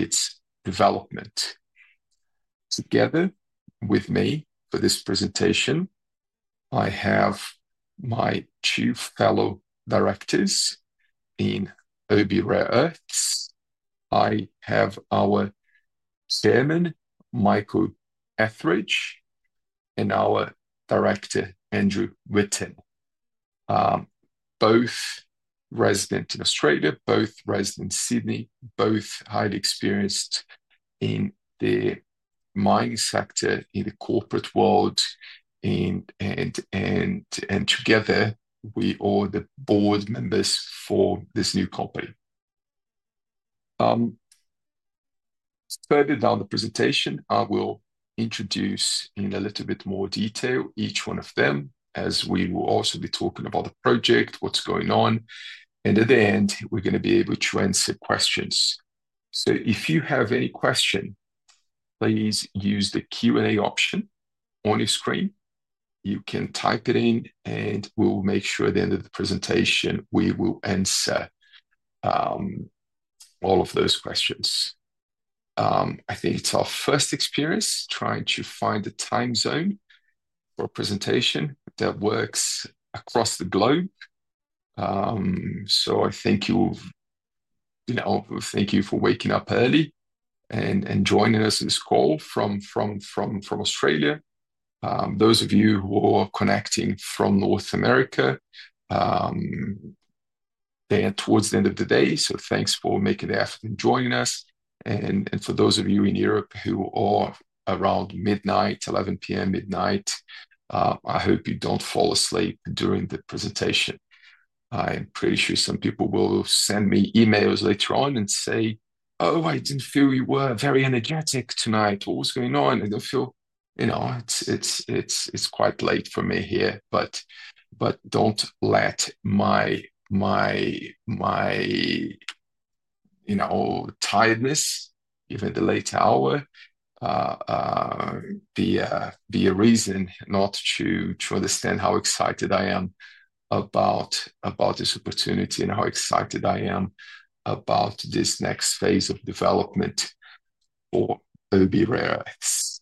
Its development. Together with me for this presentation, I have my Chief Fellow Directors in Oby Rare Earths. I have our Chairman, Michael Etheridge, and our Director, Andrew Whitten, both resident in Australia, both resident in Sydney, both highly experienced in the mining sector, in the corporate world, and together we are the board members for this new company. Further down the presentation, I will introduce in a little bit more detail each one of them, as we will also be talking about the project, what's going on, and at the end, we're going to be able to answer questions. If you have any question, please use the Q&A option on your screen. You can type it in, and we'll make sure at the end of the presentation we will answer all of those questions. I think it's our first experience trying to find a time zone for a presentation that works across the globe. I thank you for waking up early and joining us in this call from Australia. Those of you who are connecting from North America, they are towards the end of the day, so thanks for making the effort and joining us. For those of you in Europe who are around midnight, 11:00 P.M., midnight, I hope you don't fall asleep during the presentation. I'm pretty sure some people will send me emails later on and say, "Oh, I didn't feel you were very energetic tonight. What was going on?" I don't feel it's quite late for me here. But don't let my tiredness, even the late hour, be a reason not to understand how excited I am about this opportunity and how excited I am about this next phase of development for Oby Rare Earths.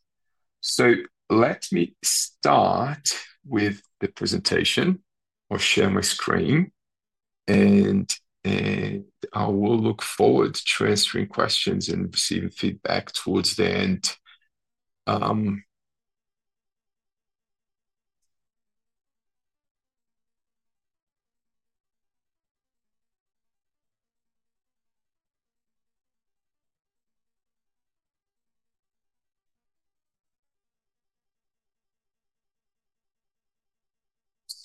Let me start with the presentation. I'll share my screen, and I will look forward to answering questions and receiving feedback towards the end.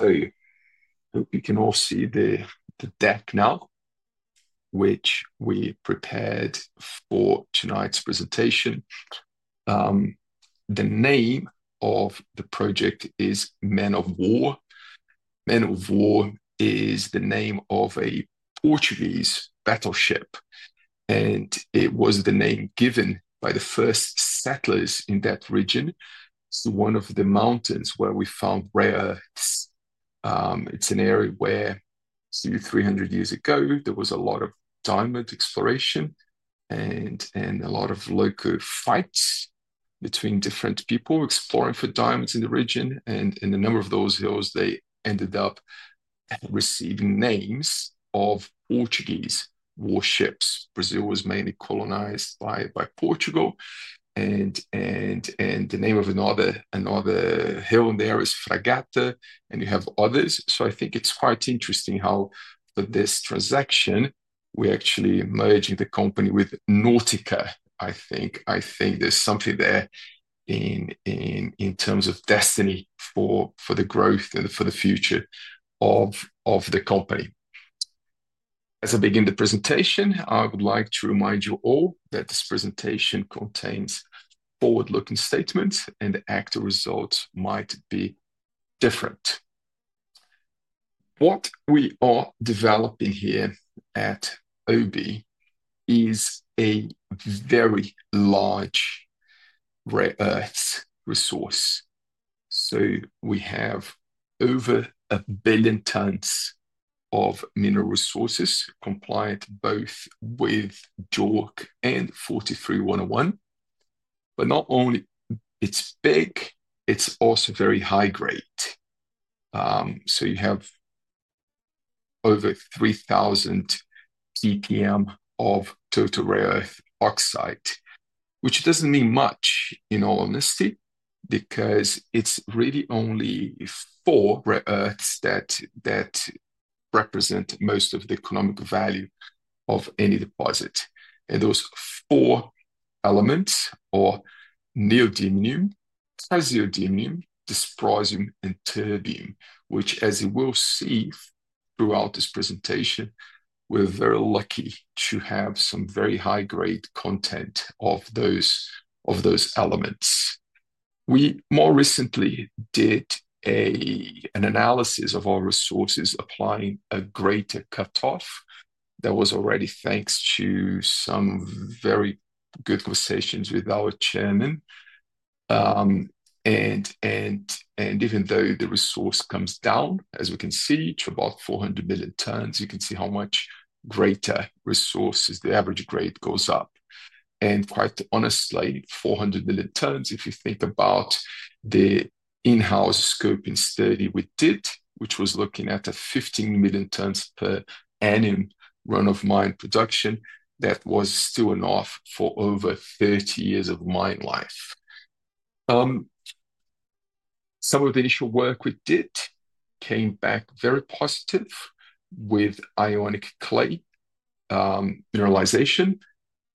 I hope you can all see the deck now, which we prepared for tonight's presentation. The name of the project is Men of War. Men of War is the name of a Portuguese battleship, and it was the name given by the first settlers in that region. One of the mountains where we found rare earths, it's an area where 300 years ago, there was a lot of diamond exploration and a lot of local fights between different people exploring for diamonds in the region. In a number of those hills, they ended up receiving names of Portuguese warships. Brazil was mainly colonized by Portugal, and the name of another hill there is Fragata, and you have others. I think it's quite interesting how for this transaction, we're actually merging the company with Nautica. I think there's something there in terms of destiny for the growth and for the future of the company. As I begin the presentation, I would like to remind you all that this presentation contains forward-looking statements, and the actual results might be different. What we are developing here at Oby is a very large rare earths resource. We have over a billion tons of mineral resources compliant both with JORC and NI 43-101. Not only is it big, it's also very high grade. You have over 3,000 ppm of total rare earth oxide, which doesn't mean much, in all honesty, because it's really only four rare earths that represent most of the economic value of any deposit. Those four elements are neodymium, praseodymium, dysprosium, and terbium, which, as you will see throughout this presentation, we're very lucky to have some very high-grade content of those elements. We more recently did an analysis of our resources applying a greater cutoff. That was already thanks to some very good conversations with our Chairman. Even though the resource comes down, as we can see, to about 400 million tons, you can see how much greater the average grade goes up. Quite honestly, 400 million tons, if you think about the in-house scoping study we did, which was looking at a 15 million tons per annum run of mine production, that was still enough for over 30 years of mine life. Some of the initial work we did came back very positive with Ionic Clay Mineralization.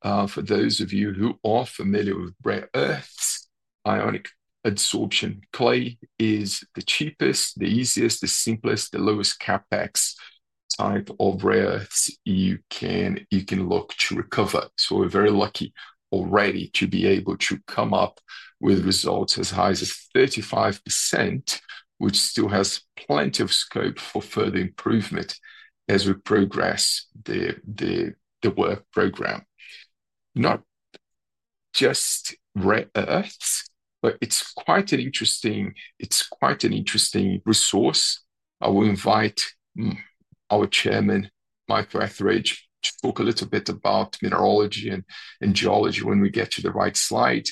For those of you who are familiar with rare earths, Ionic Adsorption Clay is the cheapest, the easiest, the simplest, the lowest CapEx type of rare earths you can look to recover. We are very lucky already to be able to come up with results as high as 35%, which still has plenty of scope for further improvement as we progress the work program. Not just rare earths, but it is quite an interesting resource. I will invite our Chairman, Michael Etheridge, to talk a little bit about Mineralogy and Geology when we get to the right slide.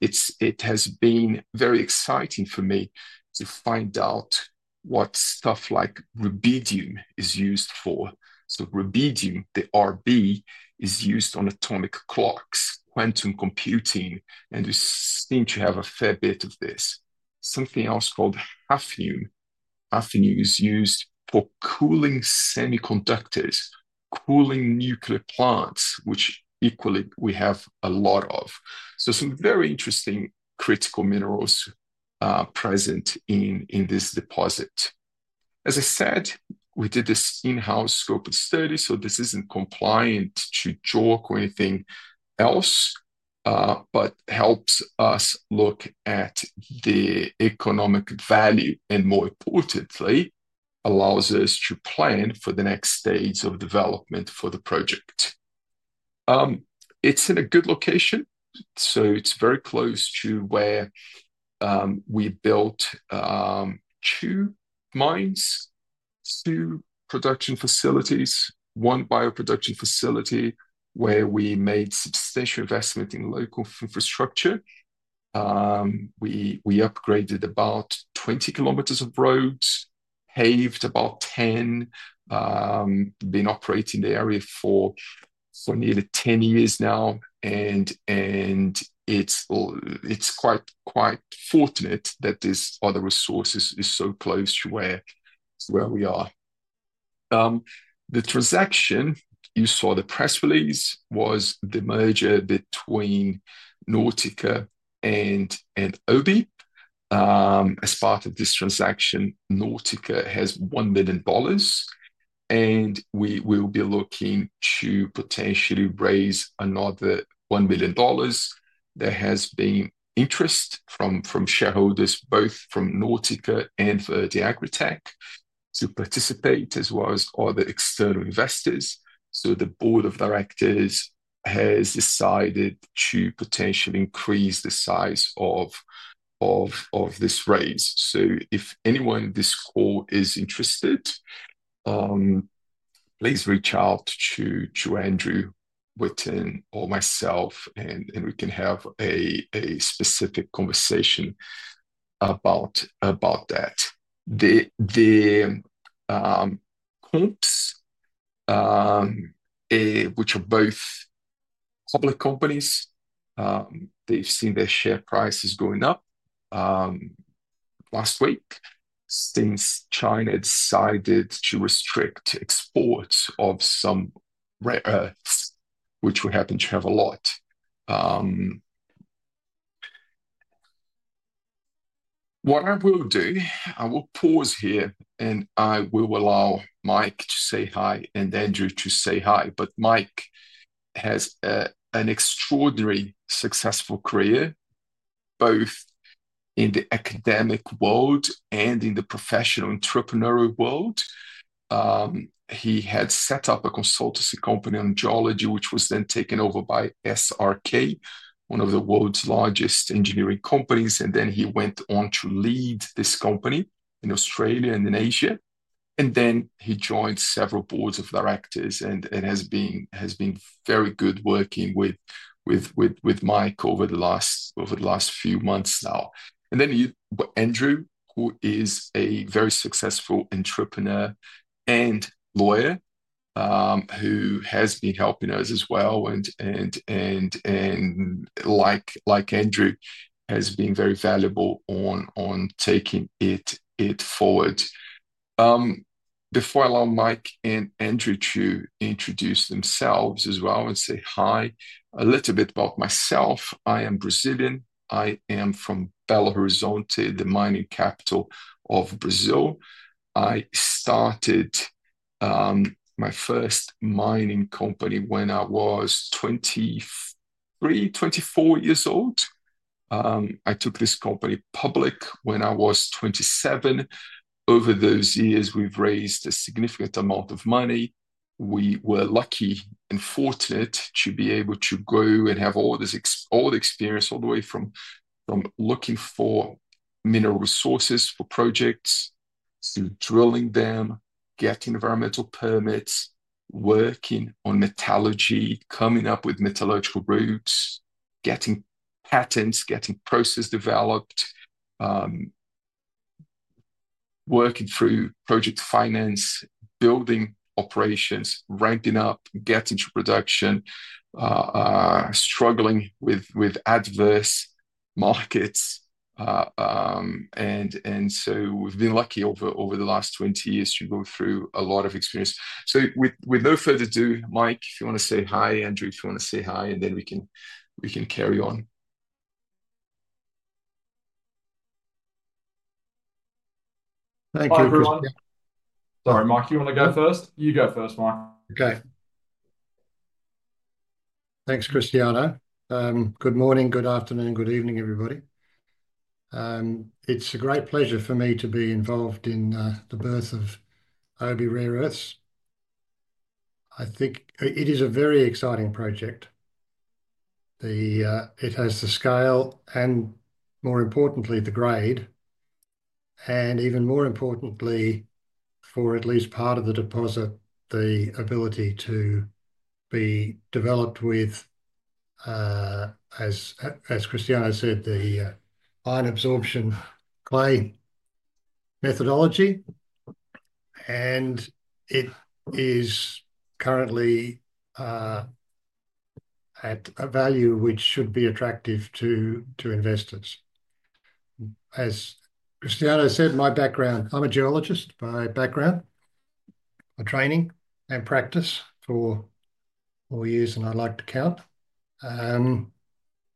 It has been very exciting for me to find out what stuff like rubidium is used for. Rubidium, the Rb, is used on atomic clocks, quantum computing, and we seem to have a fair bit of this. Something else called hafnium. Hafnium is used for cooling semiconductors, cooling nuclear plants, which equally we have a lot of. Some very interesting critical minerals are present in this deposit. As I said, we did this in-house scoping study, so this is not compliant to JORC or anything else, but helps us look at the economic value and, more importantly, allows us to plan for the next stage of development for the project. It's in a good location, so it's very close to where we built two mines, two production facilities, one bioproduction facility where we made substantial investment in local infrastructure. We upgraded about 20 km of roads, paved about 10, been operating the area for nearly 10 years now, and it's quite fortunate that this other resource is so close to where we are. The transaction you saw, the press release, was the merger between Nautica and Oby. As part of this transaction, Nautica has 1 million dollars, and we will be looking to potentially raise another 1 million dollars. There has been interest from shareholders, both from Nautica and Verde AgriTech, to participate, as well as other external investors. The board of directors has decided to potentially increase the size of this raise. If anyone in this call is interested, please reach out to Andrew Whitten or myself, and we can have a specific conversation about that. The comps, which are both public companies, they've seen their share prices going up last week since China decided to restrict exports of some rare earths, which we happen to have a lot. What I will do, I will pause here, and I will allow Mike to say hi and Andrew to say hi. Mike has an extraordinarily successful career, both in the academic world and in the professional entrepreneurial world. He had set up a consultancy company on geology, which was then taken over by SRK, one of the world's largest engineering companies. He went on to lead this company in Australia and in Asia. He joined several boards of directors and has been very good working with Mike over the last few months now. Andrew, who is a very successful entrepreneur and lawyer, has been helping us as well, and like Andrew, has been very valuable on taking it forward. Before I allow Mike and Andrew to introduce themselves as well and say hi, a little bit about myself. I am Brazilian. I am from Belo Horizonte, the mining capital of Brazil. I started my first mining company when I was 23, 24 years old. I took this company public when I was 27. Over those years, we've raised a significant amount of money. We were lucky and fortunate to be able to go and have all this experience all the way from looking for mineral resources for projects to drilling them, getting environmental permits, working on metallurgy, coming up with metallurgical routes, getting patents, getting processes developed, working through project finance, building operations, ramping up, getting to production, struggling with adverse markets. We have been lucky over the last 20 years to go through a lot of experience. With no further ado, Mike, if you want to say hi, Andrew, if you want to say hi, and then we can carry on. Thank you, everyone. Sorry, Mike, do you want to go first? You go first, Mike. Okay. Thanks, Cristiano. Good morning, good afternoon, good evening, everybody. It's a great pleasure for me to be involved in the birth of Oby Rare Earths. I think it is a very exciting project. It has the scale and, more importantly, the grade. Even more importantly, for at least part of the deposit, the ability to be developed with, as Cristiano said, the Ion Adsorption Clay Methodology. It is currently at a value which should be attractive to investors. As Cristiano said, my background, I'm a geologist by background, by training and practice for four years, and I'd like to count.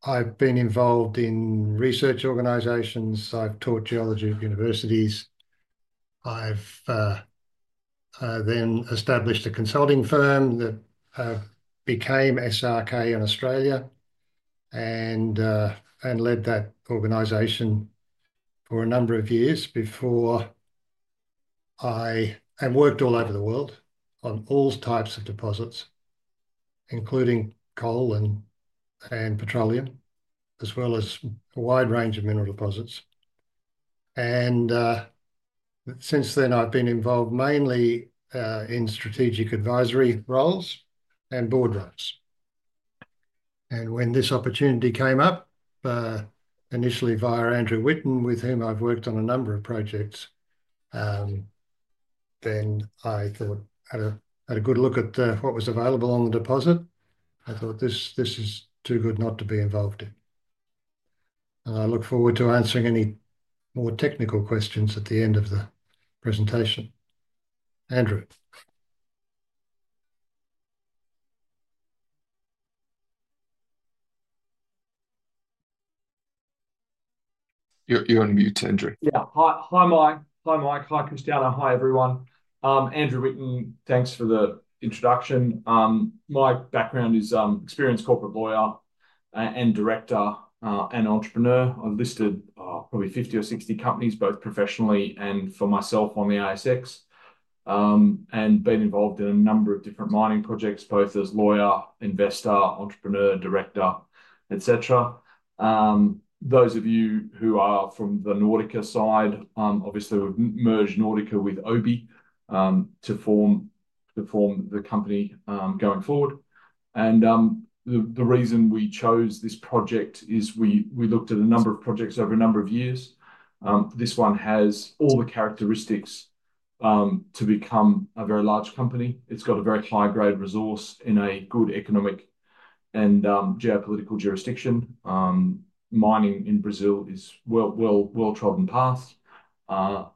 I've been involved in research organizations. I've taught Geology at universities. I've then established a consulting firm that became SRK in Australia and led that organization for a number of years before I worked all over the world on all types of deposits, including coal and petroleum, as well as a wide range of mineral deposits. Since then, I've been involved mainly in strategic advisory roles and board roles. When this opportunity came up, initially via Andrew Whitten, with whom I've worked on a number of projects, I thought, had a good look at what was available on the deposit, I thought, this is too good not to be involved in. I look forward to answering any more technical questions at the end of the presentation. Andrew. You're on mute, Andrew. Yeah. Hi, Mike. Hi, Mike. Hi, Cristiano. Hi, everyone. Andrew Whitten, thanks for the introduction. My background is experienced corporate lawyer and director and entrepreneur. I've listed probably 50 or 60 companies, both professionally and for myself on the ISX, and been involved in a number of different mining projects, both as lawyer, investor, entrepreneur, director, etc. Those of you who are from the Nautica side, obviously, we've merged Nautica with Oby to form the company going forward. The reason we chose this project is we looked at a number of projects over a number of years. This one has all the characteristics to become a very large company. It's got a very high-grade resource in a good economic and geopolitical jurisdiction. Mining in Brazil is well-trodden past. The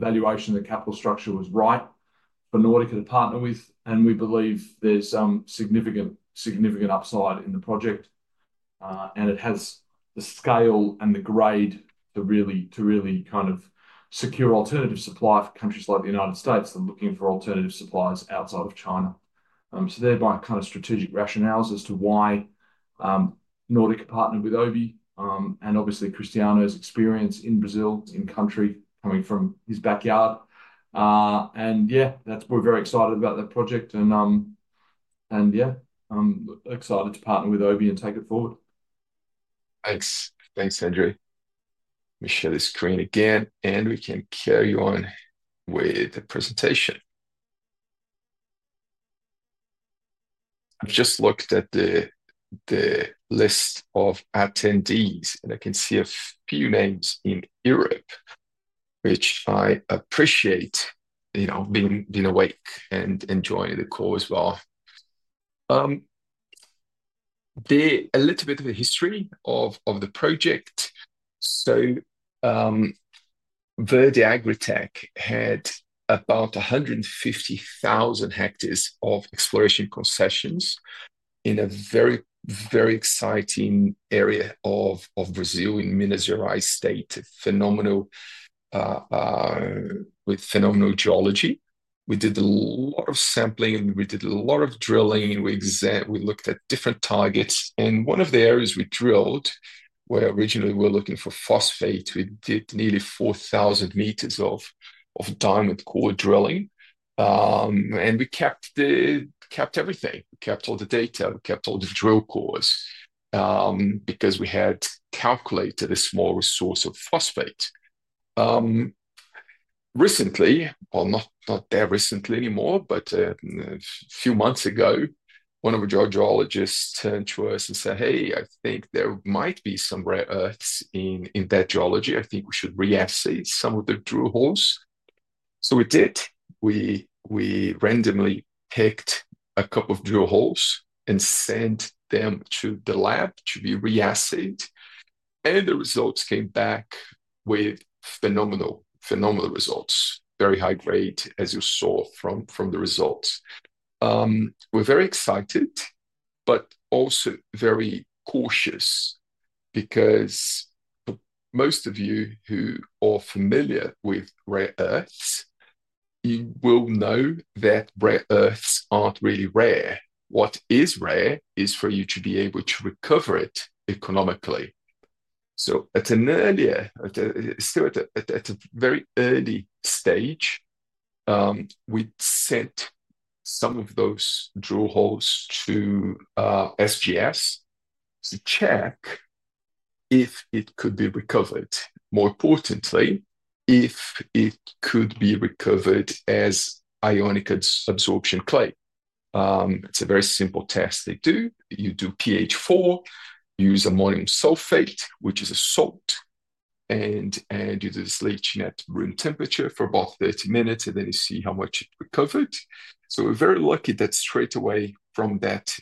valuation of the capital structure was right for Nautica to partner with. We believe there is significant upside in the project. It has the scale and the grade to really kind of secure alternative supply for countries like the United States that are looking for alternative suppliers outside of China. Those are my kind of strategic rationales as to why Nautica partnered with Oby and obviously Cristiano's experience in Brazil, in country, coming from his backyard. We are very excited about the project. We are excited to partner with Oby and take it forward. Thanks, Andrew. Let me share the screen again, and we can carry on with the presentation. I've just looked at the list of attendees, and I can see a few names in Europe, which I appreciate being awake and joining the call as well. A little bit of the history of the project. Verdi AgriTech had about 150,000 hectares of exploration concessions in a very, very exciting area of Brazil in Minas Gerais state, with phenomenal geology. We did a lot of sampling, and we did a lot of drilling. We looked at different targets. One of the areas we drilled, where originally we were looking for phosphate, we did nearly 4,000 meters of diamond core drilling. We kept everything. We kept all the data. We kept all the drill cores because we had calculated a small resource of phosphate. Recently, not that recently anymore, but a few months ago, one of our geologists turned to us and said, "Hey, I think there might be some rare earths in that geology. I think we should re-acid some of the drill holes." We did. We randomly picked a couple of drill holes and sent them to the lab to be re-acided. The results came back with phenomenal results, very high grade, as you saw from the results. We are very excited, but also very cautious because most of you who are familiar with rare earths know that rare earths are not really rare. What is rare is for you to be able to recover it economically. At a very early stage, we sent some of those drill holes to SGS to check if it could be recovered. More importantly, if it could be recovered as ionic adsorption clay. It is a very simple test they do. You do pH 4, use ammonium sulfate, which is a salt, and you do this leaching at room temperature for about 30 minutes, and then you see how much it recovered. We are very lucky that straight away from that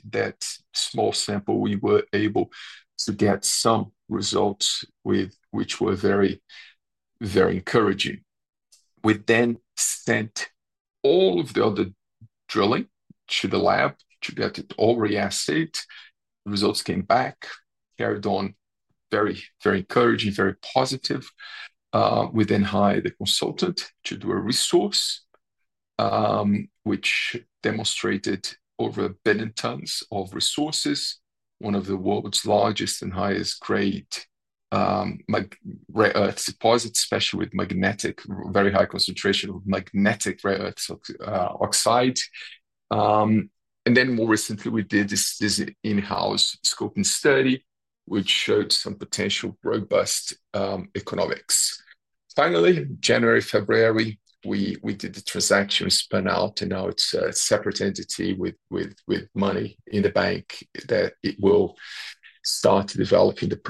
small sample, we were able to get some results which were very, very encouraging. We then sent all of the other drilling to the lab to get it all re-acided. The results came back, carried on, very, very encouraging, very positive. We then hired a consultant to do a resource, which demonstrated over a billion tons of resources, one of the world's largest and highest-grade rare earth deposits, especially with magnetic, very high concentration of magnetic rare earth oxide. More recently, we did this in-house scoping study, which showed some potential robust economics. Finally, January, February, we did the transaction spin-out, and now it is a separate entity with money in the bank that it will start developing the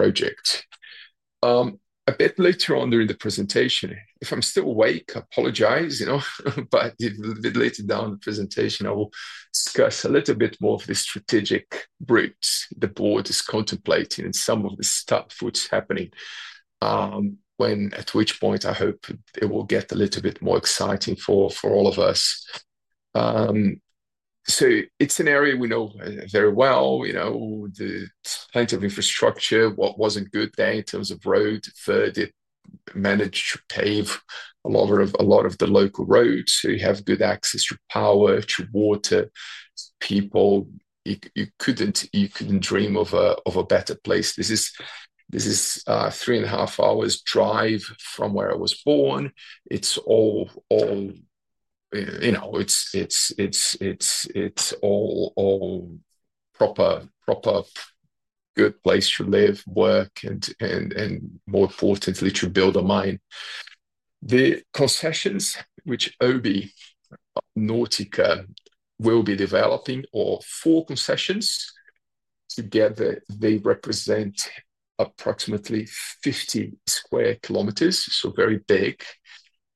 project. A bit later on during the presentation, if I am still awake, I apologize, but a bit later down the presentation, I will discuss a little bit more of the strategic route the board is contemplating and some of the stuff that is happening, at which point I hope it will get a little bit more exciting for all of us. It is an area we know very well. There is plenty of infrastructure. What was not good there in terms of roads, Verde AgriTech managed to pave a lot of the local roads. You have good access to power, to water, to people. You could not dream of a better place. This is three and a half hours' drive from where I was born. It's all proper good place to live, work, and more importantly, to build a mine. The concessions which Oby Nautica will be developing, or four concessions together, they represent approximately 50 sq km, so very big.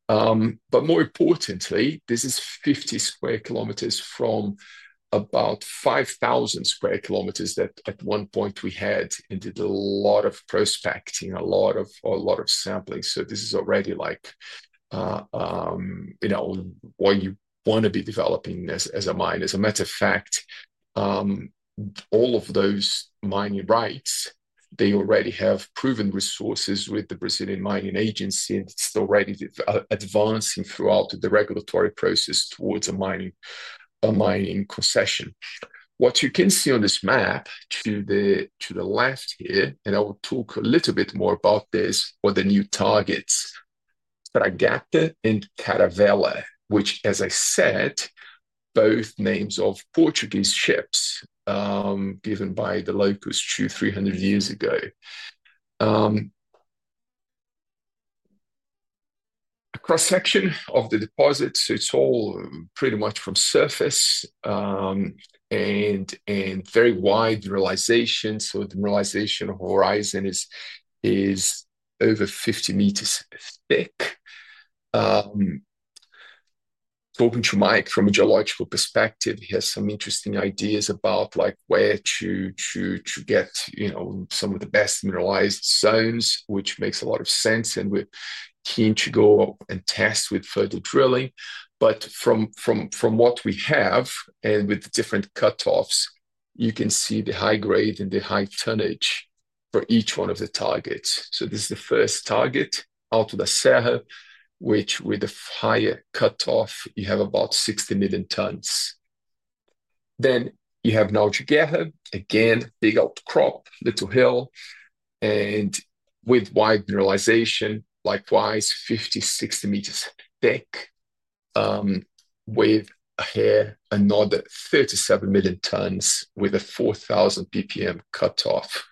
More importantly, this is 50 sq km from about 5,000 sq km that at one point we had and did a lot of prospecting, a lot of sampling. This is already where you want to be developing as a mine. As a matter of fact, all of those mining rights already have proven resources with the Brazilian Mining Agency, and it's already advancing throughout the regulatory process towards a mining concession. What you can see on this map to the left here, and I will talk a little bit more about this, are the new targets, Fragata and Caravela, which, as I said, are both names of Portuguese ships given by the locals 2,300 years ago. A cross-section of the deposits, so it's all pretty much from surface and very wide realization. The realization horizon is over 50 meters thick. Talking to Mike from a geological perspective, he has some interesting ideas about where to get some of the best mineralized zones, which makes a lot of sense, and we're keen to go and test with further drilling. From what we have and with different cutoffs, you can see the high grade and the high tonnage for each one of the targets. This is the first target, Alto da Serra, which with a higher cutoff, you have about 60 million tons. You have Nautigueira, again, big old crop, little hill, and with wide mineralization, likewise, 50-60 meters thick, with here another 37 million tons with a 4,000 ppm cutoff,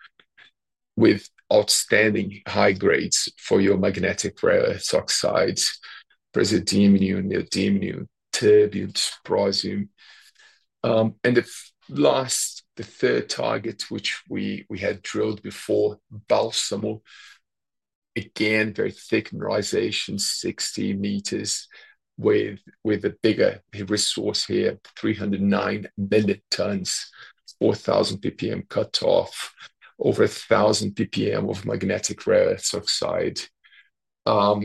with outstanding high grades for your magnetic rare earth oxides, dysprosium, neodymium, terbium, praseodymium. The last, the third target, which we had drilled before, Balsamo, again, very thick mineralization, 60 meters, with a bigger resource here, 309 million tons, 4,000 ppm cutoff, over 1,000 ppm of magnetic rare earth oxide. There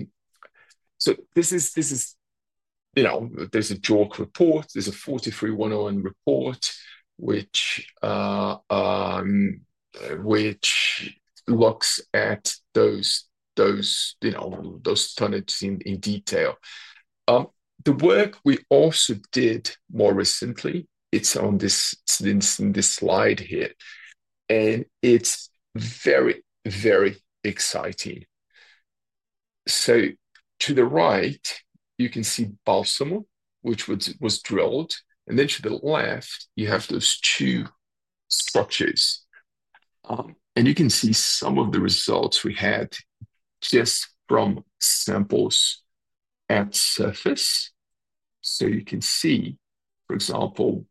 is a JORC report. There is a NI 43-101 report which looks at those tonnage in detail. The work we also did more recently, it is on this slide here, and it is very, very exciting. To the right, you can see Balsamo, which was drilled, and then to the left, you have those two structures. You can see some of the results we had just from samples at surface. You can see, for example,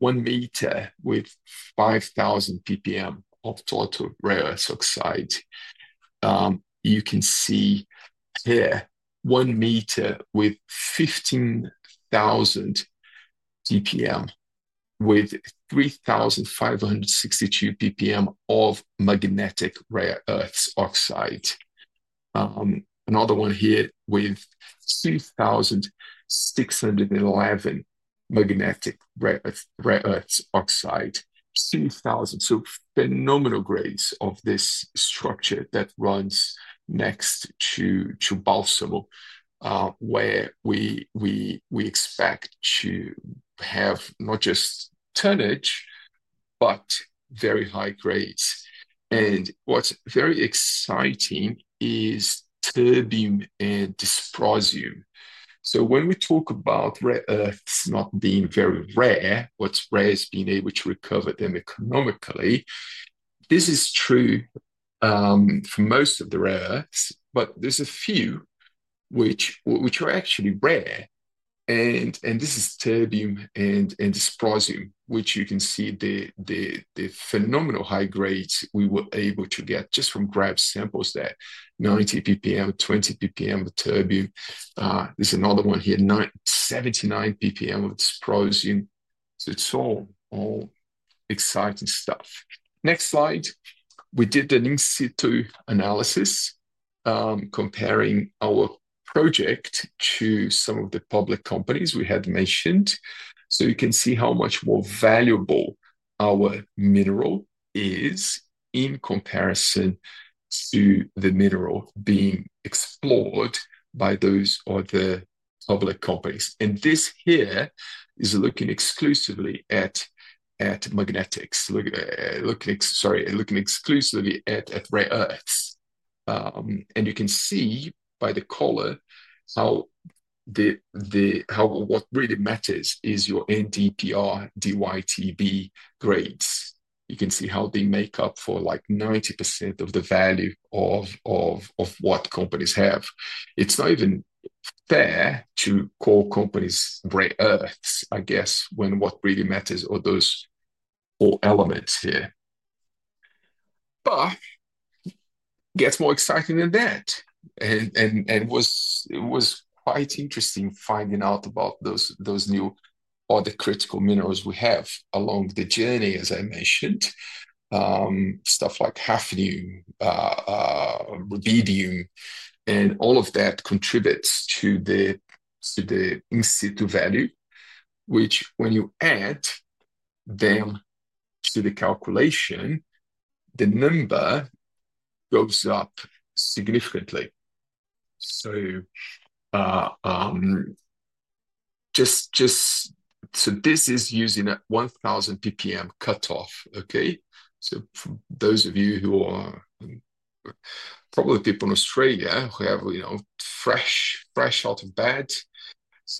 one meter with 5,000 PPM of total rare earth oxide. You can see here, one meter with 15,000 PPM, with 3,562 PPM of magnetic rare earth oxide. Another one here with 2,611 magnetic rare earth oxide. 2,000. Phenomenal grades of this structure that runs next to Balsamo, where we expect to have not just tonnage, but very high grades. What's very exciting is terbium and dysprosium. When we talk about rare earths not being very rare, what's rare is being able to recover them economically. This is true for most of the rare earths, but there's a few which are actually rare. This is terbium and dysprosium, which you can see the phenomenal high grades we were able to get just from grab samples there, 90 ppm, 20 ppm of terbium. There is another one here, 79 ppm of dysprosium. It is all exciting stuff. Next slide. We did an in situ analysis comparing our project to some of the public companies we had mentioned. You can see how much more valuable our mineral is in comparison to the mineral being explored by those other public companies. This here is looking exclusively at magnetics, looking exclusively at rare earths. You can see by the color what really matters is your NdPr, DyTb grades. You can see how they make up for like 90% of the value of what companies have. It's not even fair to call companies rare earths, I guess, when what really matters are those four elements here. It gets more exciting than that. It was quite interesting finding out about those new other critical minerals we have along the journey, as I mentioned, stuff like hafnium, rubidium, and all of that contributes to the in situ value, which when you add them to the calculation, the number goes up significantly. This is using a 1,000 ppm cutoff. Okay? For those of you who are probably people in Australia who have fresh out of bed,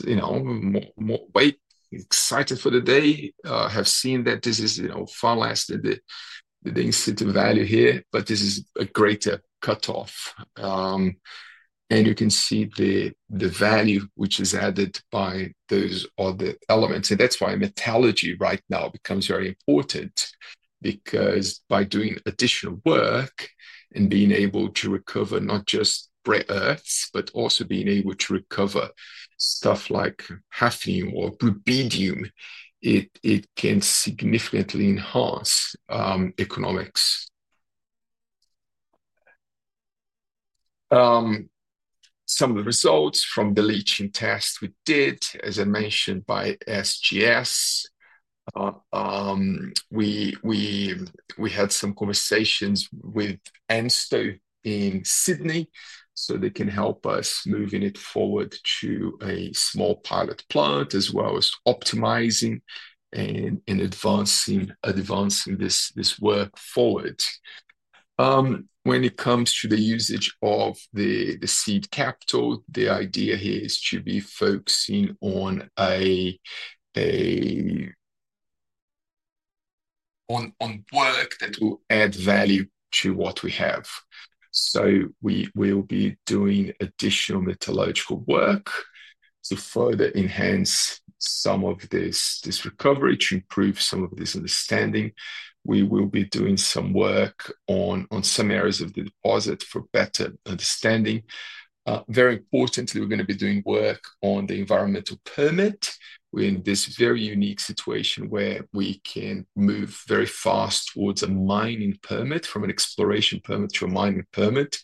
more weight, excited for the day, have seen that this is far less than the in situ value here, but this is a greater cutoff. You can see the value which is added by those other elements. That is why metallurgy right now becomes very important because by doing additional work and being able to recover not just rare earths, but also being able to recover stuff like hafnium or rubidium, it can significantly enhance economics. Some of the results from the leaching test we did, as I mentioned, by SGS. We had some conversations with ANSTO in Sydney, so they can help us moving it forward to a small pilot plant as well as optimizing and advancing this work forward. When it comes to the usage of the seed capital, the idea here is to be focusing on work that will add value to what we have. We will be doing additional metallurgical work to further enhance some of this recovery, to improve some of this understanding. We will be doing some work on some areas of the deposit for better understanding. Very importantly, we're going to be doing work on the environmental permit. We're in this very unique situation where we can move very fast towards a mining permit, from an exploration permit to a mining permit.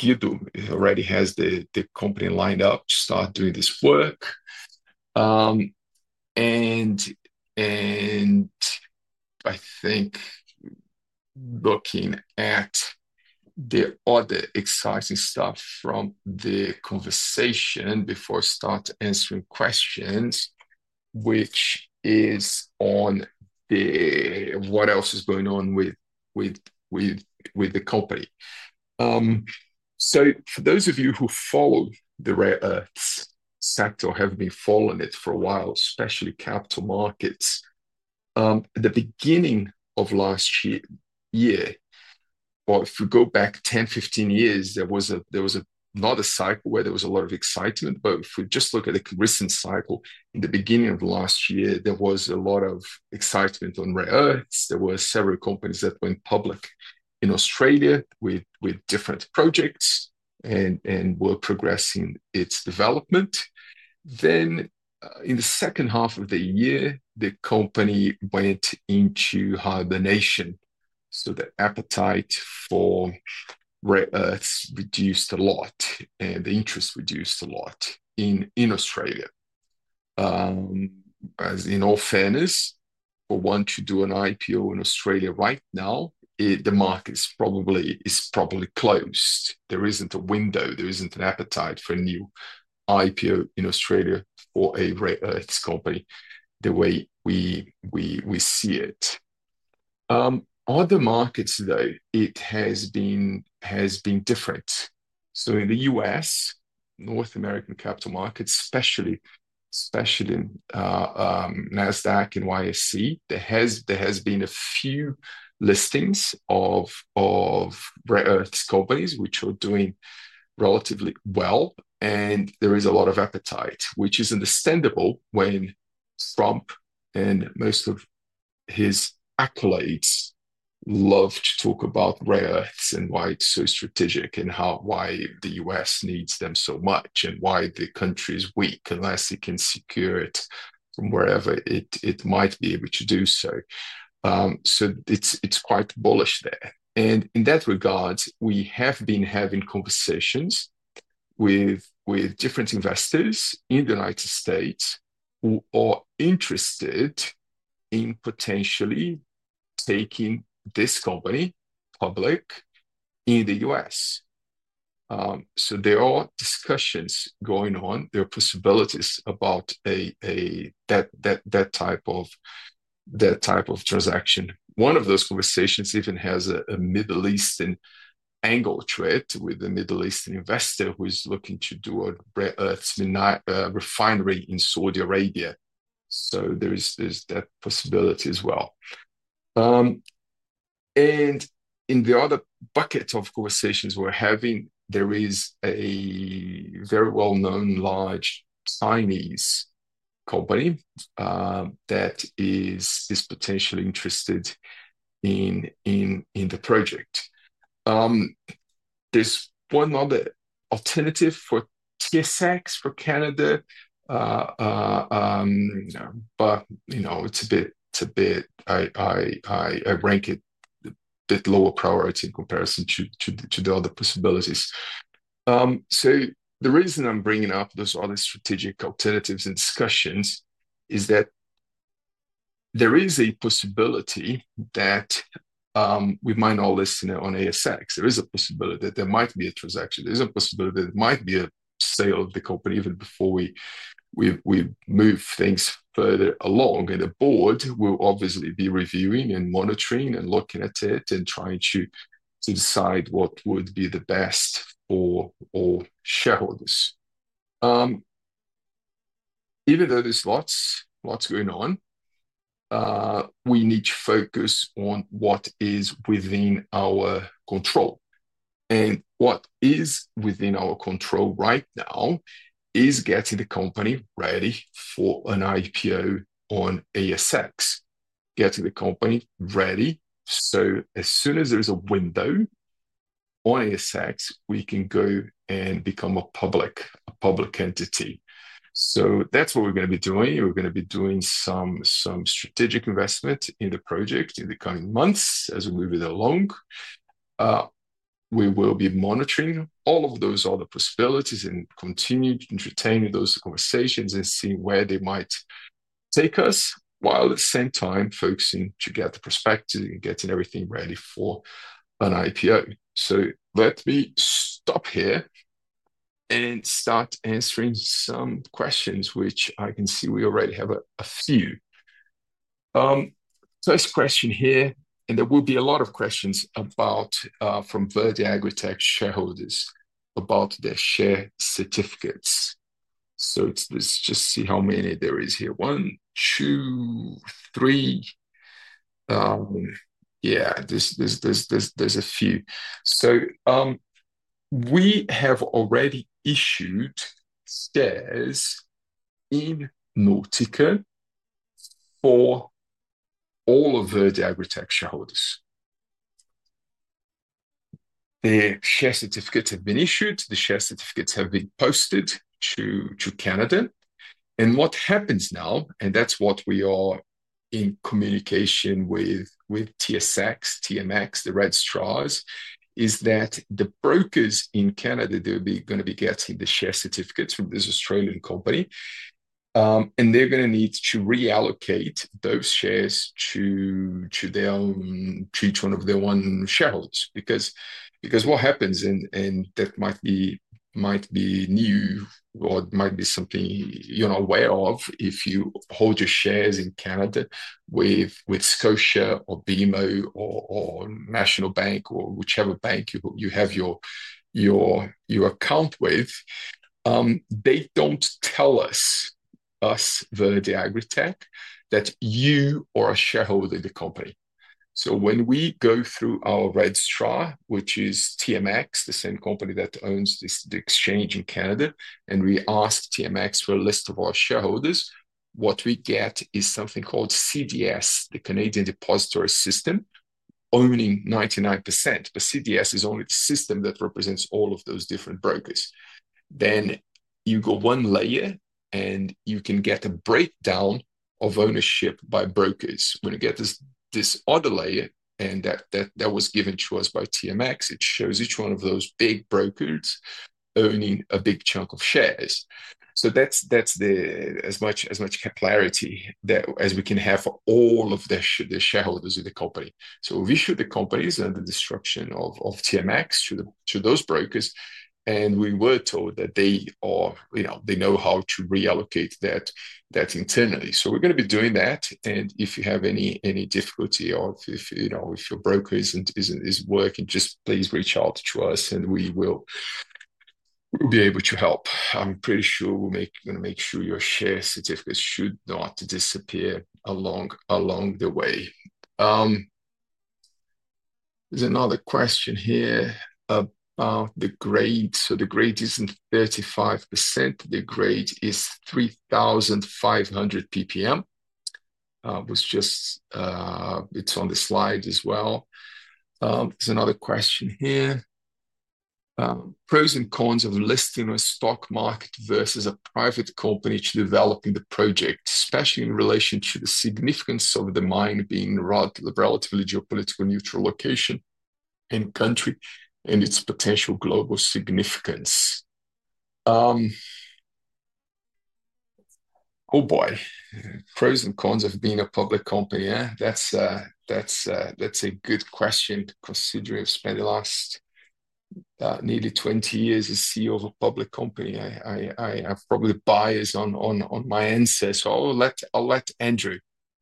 Guido already has the company lined up to start doing this work. I think looking at the other exciting stuff from the conversation before I start answering questions, which is on what else is going on with the company. For those of you who follow the rare earths sector, have been following it for a while, especially capital markets, at the beginning of last year, if we go back 10, 15 years, there was not a cycle where there was a lot of excitement. If we just look at the recent cycle, in the beginning of last year, there was a lot of excitement on rare earths. There were several companies that went public in Australia with different projects and were progressing its development. In the second half of the year, the company went into hibernation. The appetite for rare earths reduced a lot, and the interest reduced a lot in Australia. As in all fairness, for one to do an IPO in Australia right now, the market is probably closed. There isn't a window. There isn't an appetite for a new IPO in Australia for a rare earths company the way we see it. Other markets, though, it has been different. In the US, North American capital markets, especially NASDAQ and YSC, there has been a few listings of rare earths companies which are doing relatively well. There is a lot of appetite, which is understandable when Trump and most of his accolades love to talk about rare earths and why it is so strategic and why the U.S. needs them so much and why the country is weak, unless it can secure it from wherever it might be able to do so. It is quite bullish there. In that regard, we have been having conversations with different investors in the United States who are interested in potentially taking this company public in the U.S. There are discussions going on. There are possibilities about that type of transaction. One of those conversations even has a Middle Eastern angle to it with a Middle Eastern investor who is looking to do a rare earths refinery in Saudi Arabia. There is that possibility as well. In the other bucket of conversations we're having, there is a very well-known large Chinese company that is potentially interested in the project. There's one other alternative for TSX for Canada, but I rank it a bit lower priority in comparison to the other possibilities. The reason I'm bringing up those other strategic alternatives and discussions is that there is a possibility that we might not list on ASX. There is a possibility that there might be a transaction. There's a possibility that there might be a sale of the company even before we move things further along. The board will obviously be reviewing and monitoring and looking at it and trying to decide what would be the best for all shareholders. Even though there's lots going on, we need to focus on what is within our control. What is within our control right now is getting the company ready for an IPO on ASX, getting the company ready. As soon as there is a window on ASX, we can go and become a public entity. That is what we are going to be doing. We are going to be doing some strategic investment in the project in the coming months as we move it along. We will be monitoring all of those other possibilities and continue to entertain those conversations and see where they might take us while at the same time focusing to get the perspective and getting everything ready for an IPO. Let me stop here and start answering some questions, which I can see we already have a few. First question here, and there will be a lot of questions from Verde AgriTech shareholders about their share certificates. Let's just see how many there are here. One, two, three. Yeah, there's a few. We have already issued shares in Nautica for all of Verde AgriTech shareholders. The share certificates have been issued. The share certificates have been posted to Canada. What happens now, and that's what we are in communication with TSX, TMX, the registrars, is that the brokers in Canada, they're going to be getting the share certificates from this Australian company. They're going to need to reallocate those shares to one of their own shareholders. What happens, and that might be new or might be something you're not aware of if you hold your shares in Canada with Scotia or BMO or National Bank or whichever bank you have your account with, they don't tell us, Verde AgriTech, that you are a shareholder in the company. When we go through our Red Straw, which is TMX, the same company that owns the exchange in Canada, and we ask TMX for a list of our shareholders, what we get is something called CDS, the Canadian Depository System, owning 99%. CDS is only the system that represents all of those different brokers. You go one layer, and you can get a breakdown of ownership by brokers. When you get this other layer, and that was given to us by TMX, it shows each one of those big brokers owning a big chunk of shares. That is as much capillarity as we can have for all of the shareholders of the company. We issued the companies under the instruction of TMX to those brokers. We were told that they know how to reallocate that internally. We are going to be doing that. If you have any difficulty or if your broker is not working, just please reach out to us, and we will be able to help. I am pretty sure we are going to make sure your share certificates should not disappear along the way. There is another question here about the grade. The grade is not 35%. The grade is 3,500 ppm. It is on the slide as well. There is another question here. Pros and cons of listing a stock market versus a private company to developing the project, especially in relation to the significance of the mine being a relatively geopolitically neutral location and country and its potential global significance. Oh boy. Pros and cons of being a public company. That is a good question considering I have spent the last nearly 20 years as CEO of a public company. I have probably bias on my answers. I will let Andrew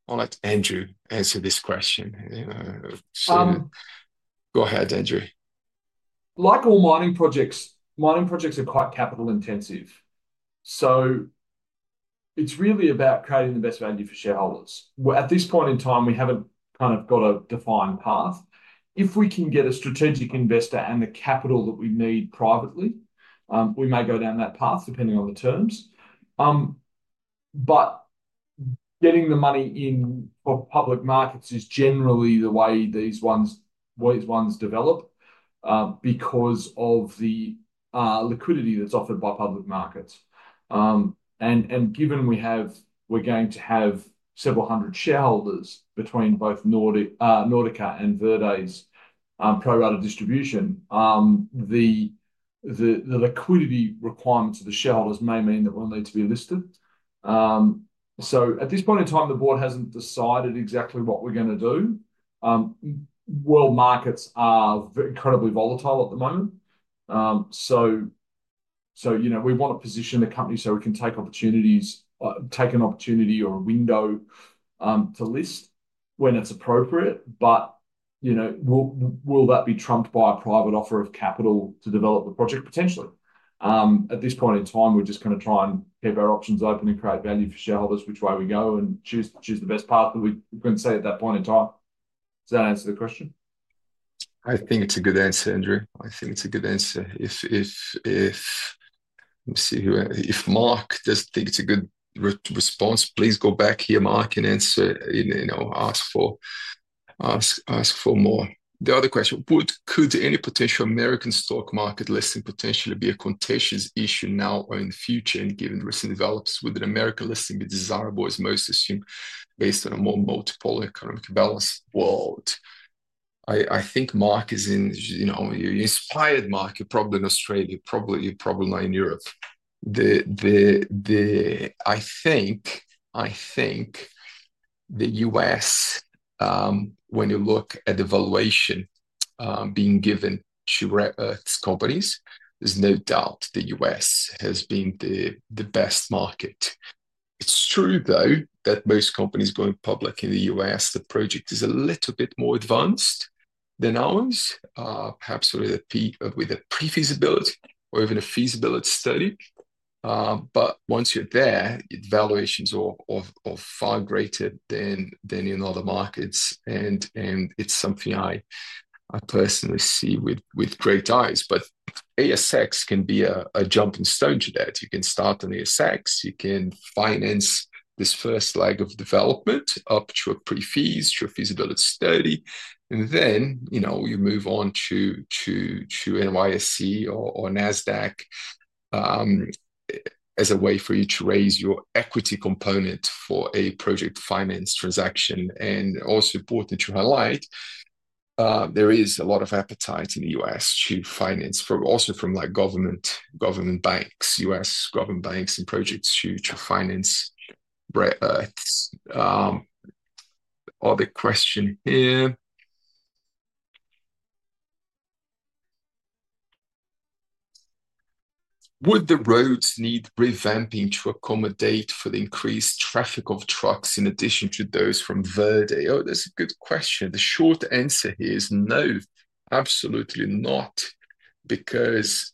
answer this question. Go ahead, Andrew. Like all mining projects, mining projects are quite capital-intensive. It is really about creating the best value for shareholders. At this point in time, we have not kind of got a defined path. If we can get a strategic investor and the capital that we need privately, we may go down that path depending on the terms. Getting the money in for public markets is generally the way these ones develop because of the liquidity that is offered by public markets. Given we are going to have several hundred shareholders between both Nautica and Verde's pro-rata distribution, the liquidity requirements of the shareholders may mean that we will need to be listed. At this point in time, the board has not decided exactly what we are going to do. World markets are incredibly volatile at the moment. We want to position the company so we can take an opportunity or a window to list when it's appropriate. Will that be trumped by a private offer of capital to develop the project potentially? At this point in time, we're just going to try and keep our options open and create value for shareholders which way we go and choose the best path that we can say at that point in time. Does that answer the question? I think it's a good answer, Andrew. I think it's a good answer. Let me see here. If Mark does think it's a good response, please go back here, Mark, and ask for more. The other question, could any potential American stock market listing potentially be a contentious issue now or in the future? Given recent developments within America, listing would be desirable as most assume based on a more multiple economic balance world. I think Mark, you inspired Mark, you're probably in Australia, you're probably not in Europe. I think the U.S., when you look at the valuation being given to rare earths companies, there's no doubt the U.S. has been the best market. It's true, though, that most companies going public in the U.S., the project is a little bit more advanced than ours, perhaps with a pre-feasibility or even a feasibility study. Once you're there, valuations are far greater than in other markets. It's something I personally see with great eyes. ASX can be a jumping stone to that. You can start on ASX. You can finance this first leg of development up to a pre-feasibility, to a feasibility study. Then you move on to NYSE or NASDAQ as a way for you to raise your equity component for a project finance transaction. Also important to highlight, there is a lot of appetite in the U.S. to finance also from government banks, U.S. government banks and projects to finance rare earths. Other question here. Would the roads need revamping to accommodate for the increased traffic of trucks in addition to those from Verde? Oh, that's a good question. The short answer here is no, absolutely not. Because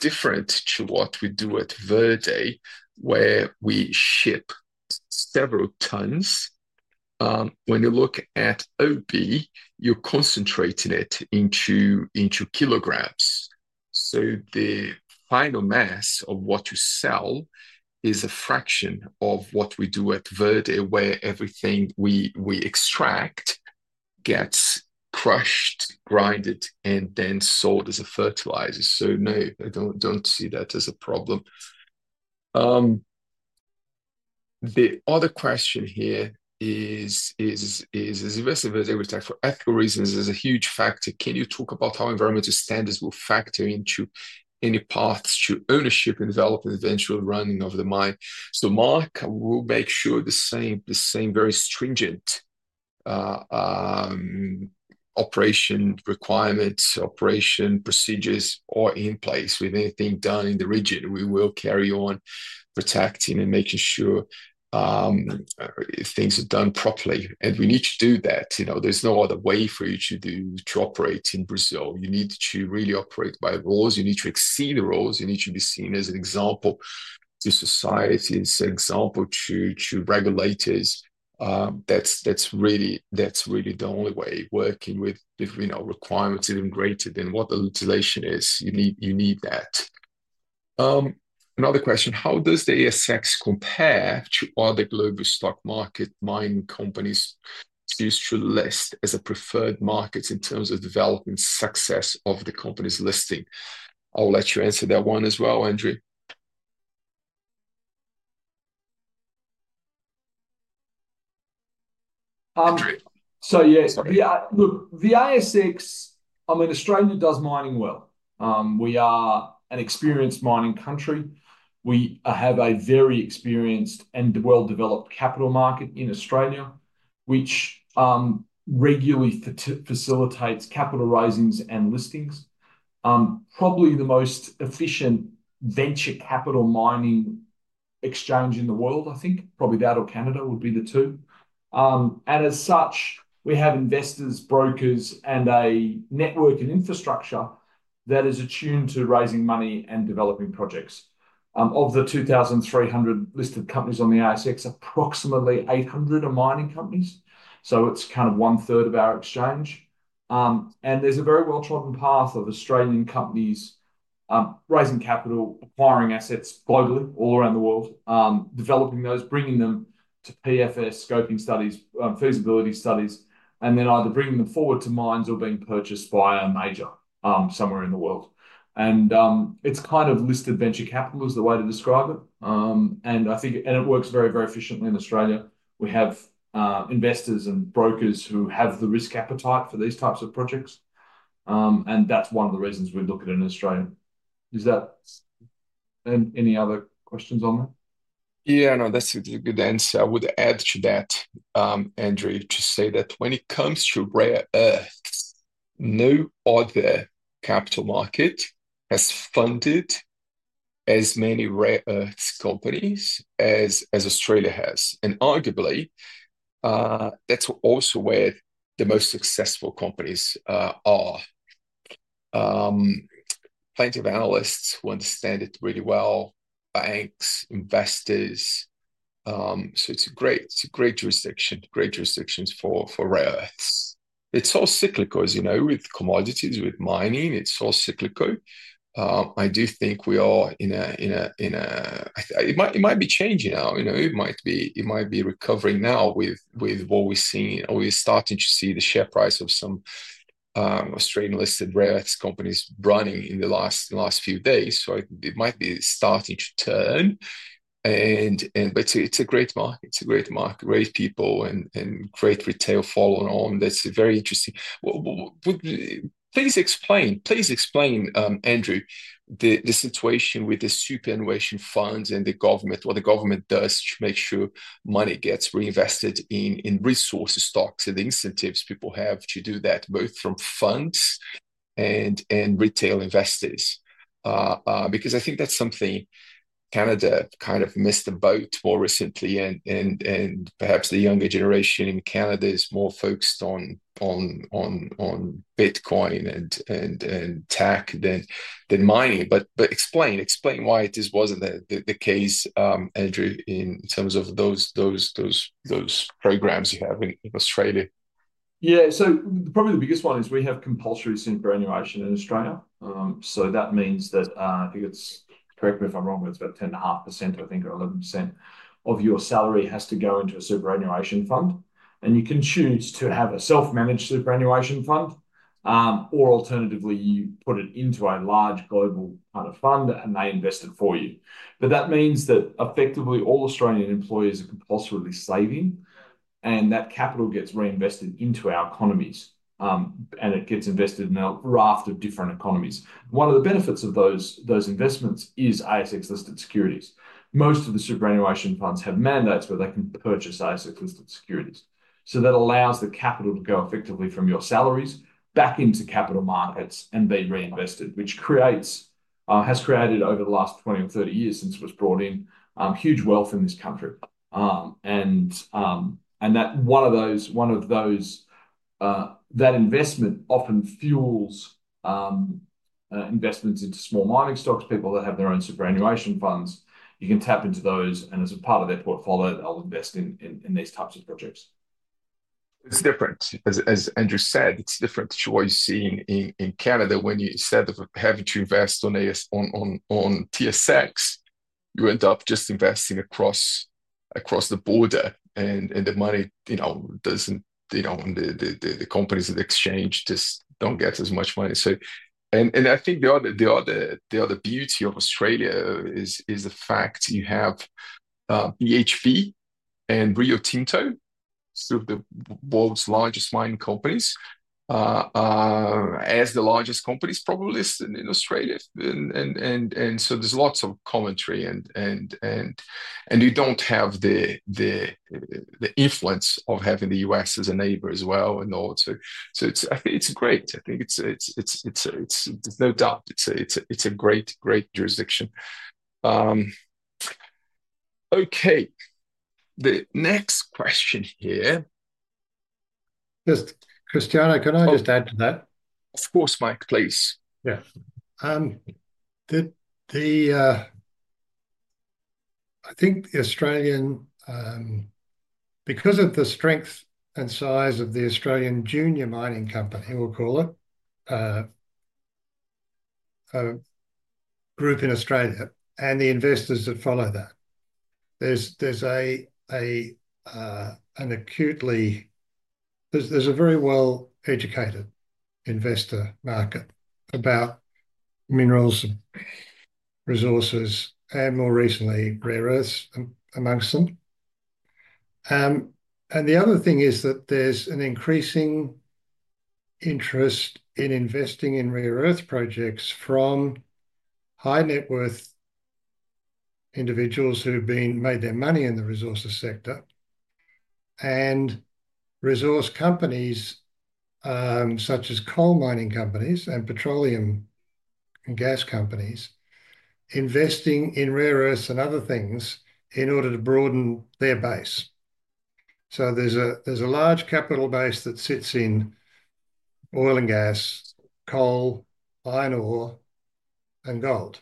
different to what we do at Verde, where we ship several tons, when you look at OB, you're concentrating it into kilograms. The final mass of what you sell is a fraction of what we do at Verde, where everything we extract gets crushed, grinded, and then sold as a fertilizer. No, I don't see that as a problem. The other question here is, as investors at Verde AgriTech, for ethical reasons, there's a huge factor. Can you talk about how environmental standards will factor into any paths to ownership and development and eventual running of the mine? Mark, we'll make sure the same very stringent operation requirements, operation procedures are in place with anything done in the region. We will carry on protecting and making sure things are done properly. We need to do that. There's no other way for you to operate in Brazil. You need to really operate by rules. You need to exceed the rules. You need to be seen as an example to societies, an example to regulators. That's really the only way. Working with requirements even greater than what the legislation is, you need that. Another question, how does the ASX compare to other global stock market mining companies used to list as a preferred market in terms of developing success of the company's listing? I'll let you answer that one as well, Andrew. Yes, look, the ASX, I mean, Australia does mining well. We are an experienced mining country. We have a very experienced and well-developed capital market in Australia, which regularly facilitates capital raisings and listings. Probably the most efficient venture capital mining exchange in the world, I think. Probably that or Canada would be the two. As such, we have investors, brokers, and a network and infrastructure that is attuned to raising money and developing projects. Of the 2,300 listed companies on the ASX, approximately 800 are mining companies. It is kind of one-third of our exchange. There is a very well-trodden path of Australian companies raising capital, acquiring assets globally, all around the world, developing those, bringing them to PFS, scoping studies, feasibility studies, and then either bringing them forward to mines or being purchased via a major somewhere in the world. It is kind of listed venture capital, is the way to describe it. It works very, very efficiently in Australia. We have investors and brokers who have the risk appetite for these types of projects. That is one of the reasons we look at it in Australia. Any other questions on that? Yeah, no, that is a good answer. I would add to that, Andrew, to say that when it comes to rare earths, no other capital market has funded as many rare earths companies as Australia has. Arguably, that is also where the most successful companies are. Plenty of analysts who understand it really well, banks, investors. It is a great jurisdiction for rare earths. It is all cyclical, as you know, with commodities, with mining. It is all cyclical. I do think we are in a—it might be changing now. It might be recovering now with what we are seeing. We are starting to see the share price of some Australian-listed rare earths companies running in the last few days. It might be starting to turn. It is a great market. It is a great market, great people, and great retail following on. That is very interesting. Please explain, please explain, Andrew, the situation with the superannuation funds and the government, what the government does to make sure money gets reinvested in resource stocks and the incentives people have to do that, both from funds and retail investors. I think that is something Canada kind of missed the boat more recently. Perhaps the younger generation in Canada is more focused on Bitcoin and Tech than Mining. Explain why it just was not the case, Andrew, in terms of those programs you have in Australia. Yeah, probably the biggest one is we have compulsory superannuation in Australia. That means that, I think—correct me if I am wrong—it is about 10.5% or 11% of your salary that has to go into a superannuation fund. You can choose to have a self-managed superannuation fund, or alternatively, you put it into a large global kind of fund, and they invest it for you. That means that effectively all Australian employees are compulsorily saving, and that capital gets reinvested into our economies, and it gets invested in a raft of different economies. One of the benefits of those investments is ASX-listed securities. Most of the superannuation funds have mandates where they can purchase ASX-listed securities. That allows the capital to go effectively from your salaries back into capital markets and be reinvested, which has created over the last 20 or 30 years since it was brought in huge wealth in this country. One of those—that investment often fuels investments into small mining stocks, people that have their own superannuation funds. You can tap into those, and as a part of their portfolio, they'll invest in these types of projects. It's different, as Andrew said, it's different to what you see in Canada. When you said of having to invest on TSX, you end up just investing across the border, and the money doesn't—the companies at the exchange just don't get as much money. I think the other beauty of Australia is the fact you have BHP and Rio Tinto, sort of the world's largest mining companies, as the largest companies probably in Australia. There is lots of commentary, and you do not have the influence of having the U.S. as a neighbor as well in order to—I think it is great. I think there is no doubt. It is a great jurisdiction. Okay. The next question here. Cristiano, can I just add to that? Of course, Mike, please. Yeah. I think the Australian—because of the strength and size of the Australian junior mining company, we will call it, group in Australia and the investors that follow that, there is an acutely—there is a very well-educated investor market about minerals, resources, and more recently, rare earths amongst them. There is an increasing interest in investing in rare earth projects from high-net-worth individuals who have made their money in the resources sector and resource companies such as coal mining companies and petroleum and gas companies investing in rare earths and other things in order to broaden their base. There is a large capital base that sits in oil and gas, coal, iron ore, and gold.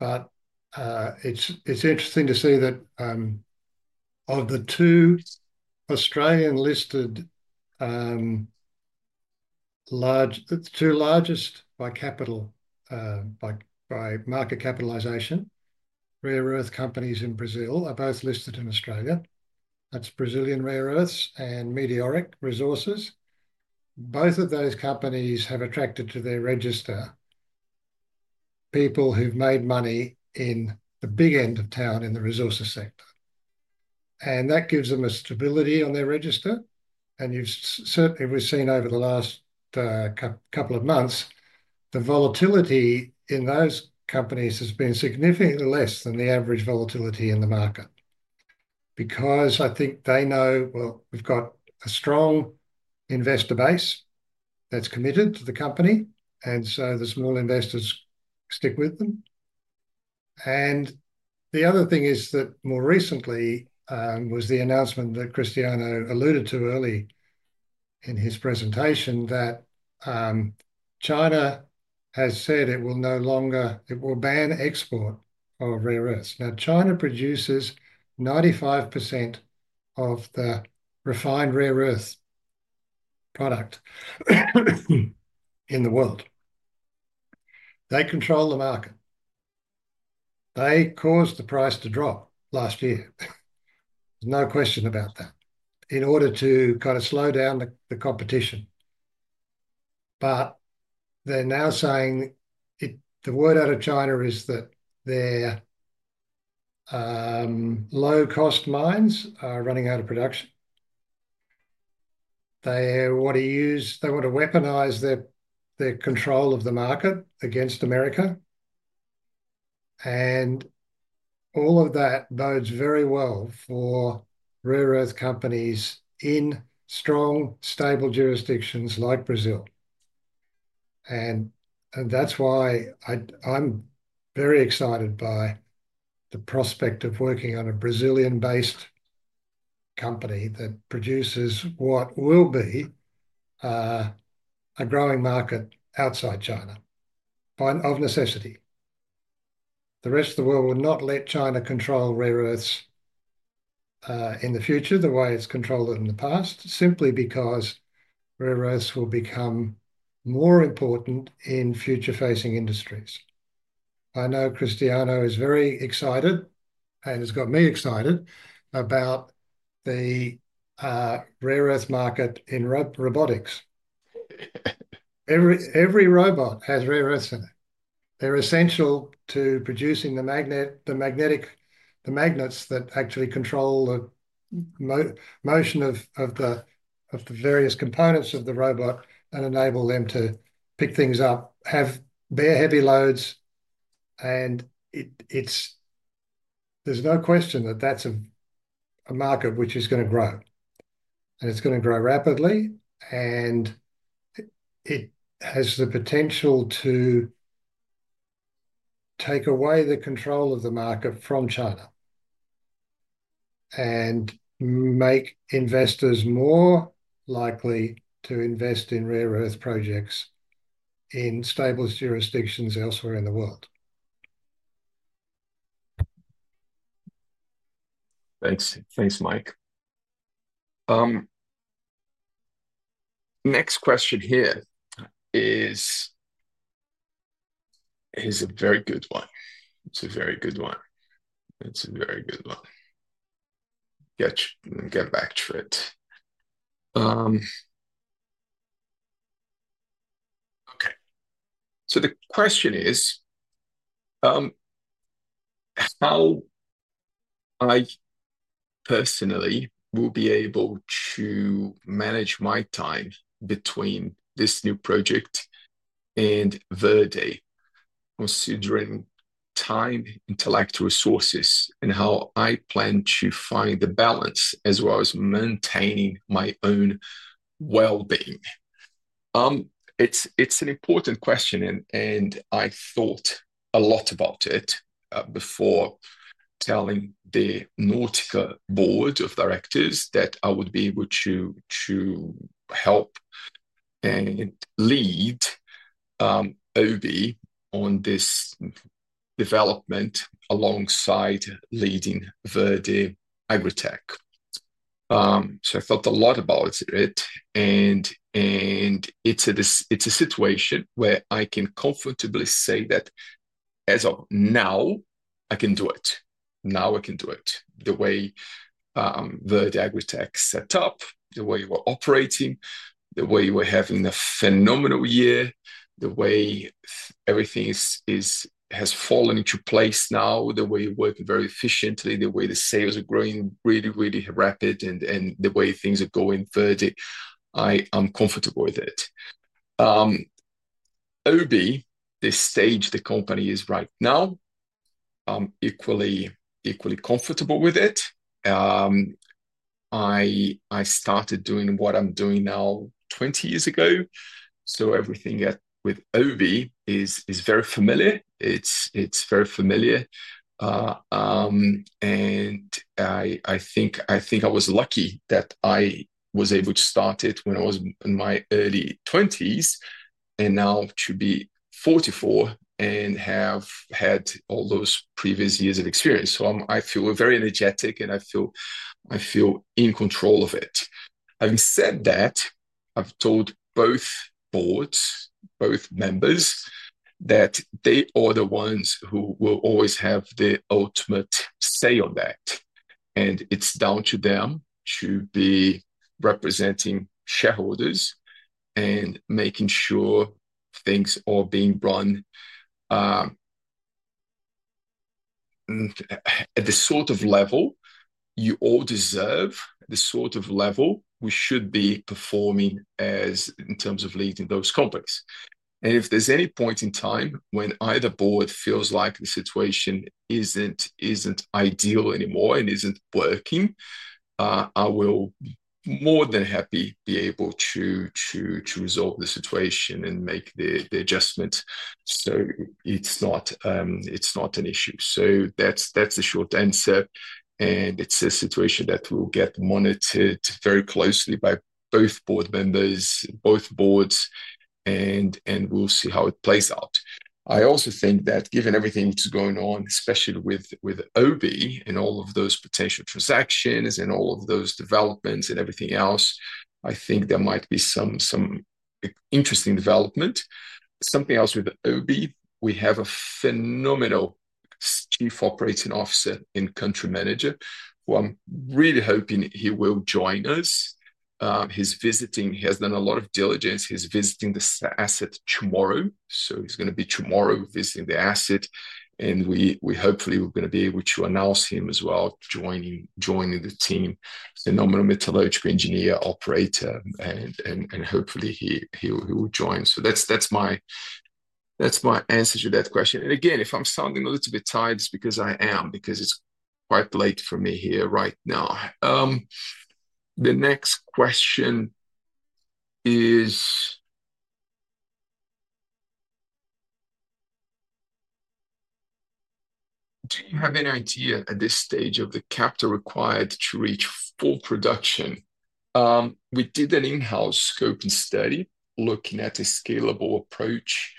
It is interesting to see that of the two Australian-listed—the two largest by market capitalization, rare earth companies in Brazil are both listed in Australia. That is Brazilian Rare Earths and Meteoric Resources. Both of those companies have attracted to their register people who have made money in the big end of town in the resources sector. That gives them a stability on their register. Certainly, we've seen over the last couple of months, the volatility in those companies has been significantly less than the average volatility in the market because I think they know, well, we've got a strong investor base that's committed to the company, and so the small investors stick with them. The other thing is that more recently was the announcement that Cristiano alluded to early in his presentation that China has said it will no longer—it will ban export of rare earths. Now, China produces 95% of the refined rare earth product in the world. They control the market. They caused the price to drop last year. There's no question about that. In order to kind of slow down the competition. They're now saying the word out of China is that their low-cost mines are running out of production. They want to use—they want to weaponize their control of the market against America. All of that bodes very well for rare earth companies in strong, stable jurisdictions like Brazil. That is why I am very excited by the prospect of working on a Brazilian-based company that produces what will be a growing market outside China of necessity. The rest of the world will not let China control rare earths in the future the way it has controlled in the past, simply because rare earths will become more important in future-facing industries. I know Cristiano is very excited and has got me excited about the rare earth market in robotics. Every robot has rare earths in it. They are essential to producing the magnets that actually control the motion of the various components of the robot and enable them to pick things up, bear heavy loads. There is no question that that's a market which is going to grow. It's going to grow rapidly. It has the potential to take away the control of the market from China and make investors more likely to invest in rare earth projects in stable jurisdictions elsewhere in the world. Thanks, Mike. Next question here is a very good one. Get back to it. Okay. The question is, how I personally will be able to manage my time between this new project and Verde, considering time, intellect, resources, and how I plan to find the balance as well as maintaining my own well-being? It's an important question, and I thought a lot about it before telling the Nautica Board of Directors that I would be able to help and lead OV on this development alongside leading Verde AgriTech. I thought a lot about it, and it's a situation where I can comfortably say that as of now, I can do it. Now I can do it. The way Verde AgriTech is set up, the way we're operating, the way we're having a phenomenal year, the way everything has fallen into place now, the way we work very efficiently, the way the sales are growing really, really rapid, and the way things are going Verde, I am comfortable with it. OV, the stage the company is right now, I'm equally comfortable with it. I started doing what I'm doing now 20 years ago. Everything with OV is very familiar. It's very familiar. I think I was lucky that I was able to start it when I was in my early 20s and now to be 44 and have had all those previous years of experience. I feel very energetic, and I feel in control of it. Having said that, I have told both boards, both members, that they are the ones who will always have the ultimate say on that. It is down to them to be representing shareholders and making sure things are being run at the sort of level you all deserve, the sort of level we should be performing in terms of leading those companies. If there is any point in time when either board feels like the situation is not ideal anymore and is not working, I will more than happy be able to resolve the situation and make the adjustment so it is not an issue. That's the short answer. It's a situation that will get monitored very closely by both board members, both boards, and we'll see how it plays out. I also think that given everything that's going on, especially with OV and all of those potential transactions and all of those developments and everything else, I think there might be some interesting development. Something else with OV, we have a phenomenal Chief Operating Officer and Country Manager who I'm really hoping he will join us. He's visiting. He has done a lot of diligence. He's visiting the asset tomorrow. He's going to be tomorrow visiting the asset. Hopefully, we're going to be able to announce him as well joining the team, phenomenal metallurgical engineer, operator, and hopefully, he will join. That's my answer to that question. If I'm sounding a little bit tired, it's because I am, because it's quite late for me here right now. The next question is, do you have any idea at this stage of the capital required to reach full production? We did an in-house scoping study looking at a scalable approach,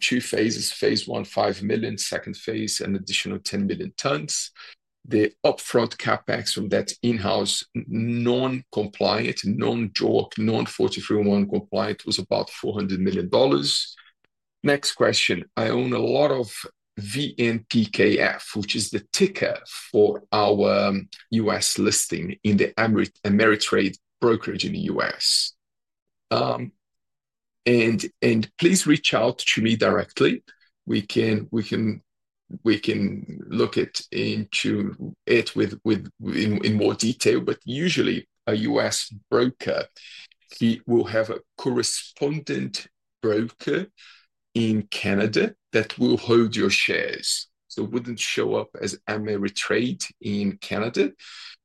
two phases, phase I, 5 million, second phase, an additional 10 million tons. The upfront CapEx from that in-house non-compliant, non-JORC, non-43-101 compliant was about $400 million. Next question, I own a lot of VNPKF, which is the ticker for our US listing in the Ameritrade brokerage in the US. Please reach out to me directly. We can look into it in more detail, but usually, a US broker will have a correspondent broker in Canada that will hold your shares. So it would not show up as Ameritrade in Canada.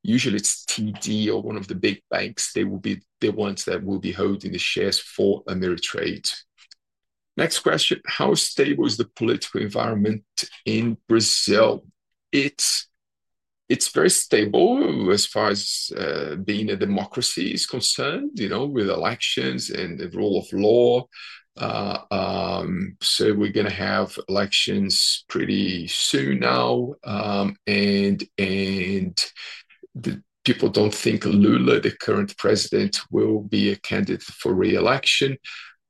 Usually, it's TD or one of the big banks. They will be the ones that will be holding the shares for Ameritrade. Next question, how stable is the political environment in Brazil? It's very stable as far as being a democracy is concerned with elections and the rule of law. We're going to have elections pretty soon now. People don't think Lula, the current president, will be a candidate for re-election.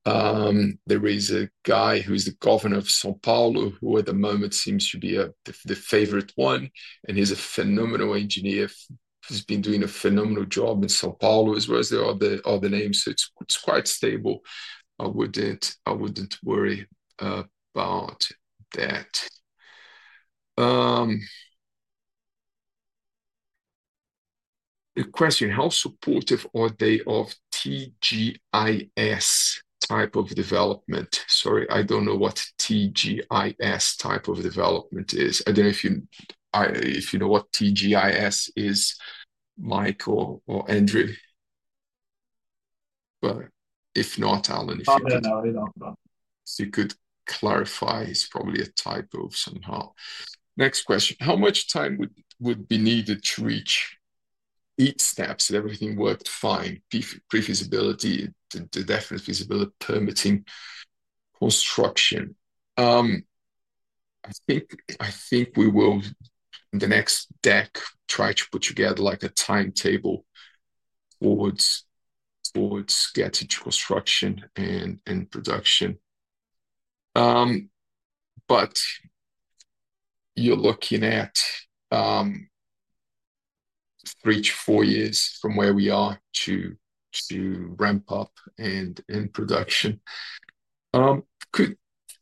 There is a guy who is the governor of São Paulo who at the moment seems to be the favorite one. He's a phenomenal engineer. He's been doing a phenomenal job in São Paulo as well as the other names. It's quite stable. I wouldn't worry about that. The question, how supportive are they of TGIS type of development? Sorry, I don't know what TGIS type of development is. I don't know if you know what TGIS is, Michael or Andrew. But if not, Alan, if you know. I don't know. You could clarify. It's probably a type of somehow. Next question, how much time would be needed to reach each step so that everything worked fine, pre-feasibility, the definite feasibility permitting construction? I think we will, in the next deck, try to put together a timetable towards getting to construction and production. But you're looking at three to four years from where we are to ramp up and production.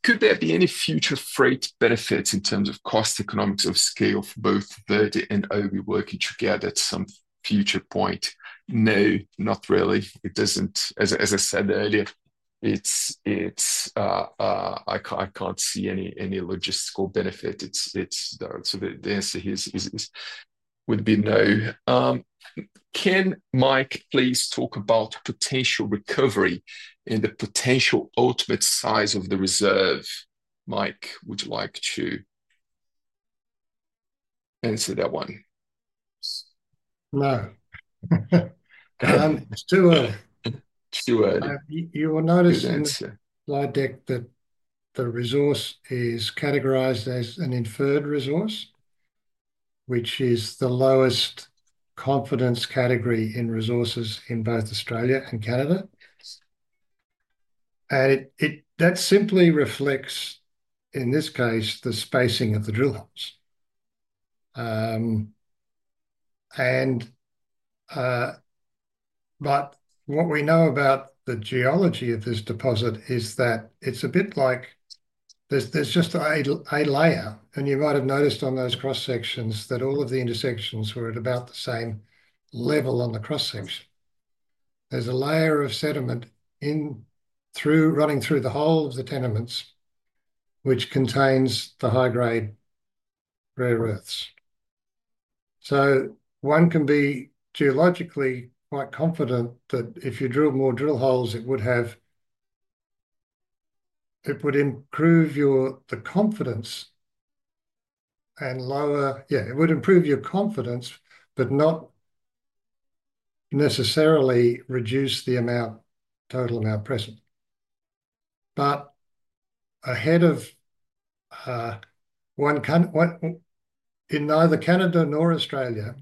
Could there be any future freight benefits in terms of cost economics of scale for both Verde and OV working together at some future point? No, not really. It doesn't. As I said earlier, I can't see any logistical benefit. So the answer here would be no. Can Mike please talk about potential recovery and the potential ultimate size of the reserve? Mike, would you like to answer that one? No. Two words. You will notice in the slide deck that the resource is categorized as an inferred resource, which is the lowest confidence category in resources in both Australia and Canada. That simply reflects, in this case, the spacing of the drill holes. What we know about the Geology of this deposit is that it's a bit like there's just a layer. You might have noticed on those cross-sections that all of the intersections were at about the same level on the cross-section. There's a layer of sediment running through the whole of the tenements, which contains the high-grade rare earths. One can be geologically quite confident that if you drill more drill holes, it would improve the confidence and lower, yeah, it would improve your confidence, but not necessarily reduce the total amount present. Ahead of in neither Canada nor Australia,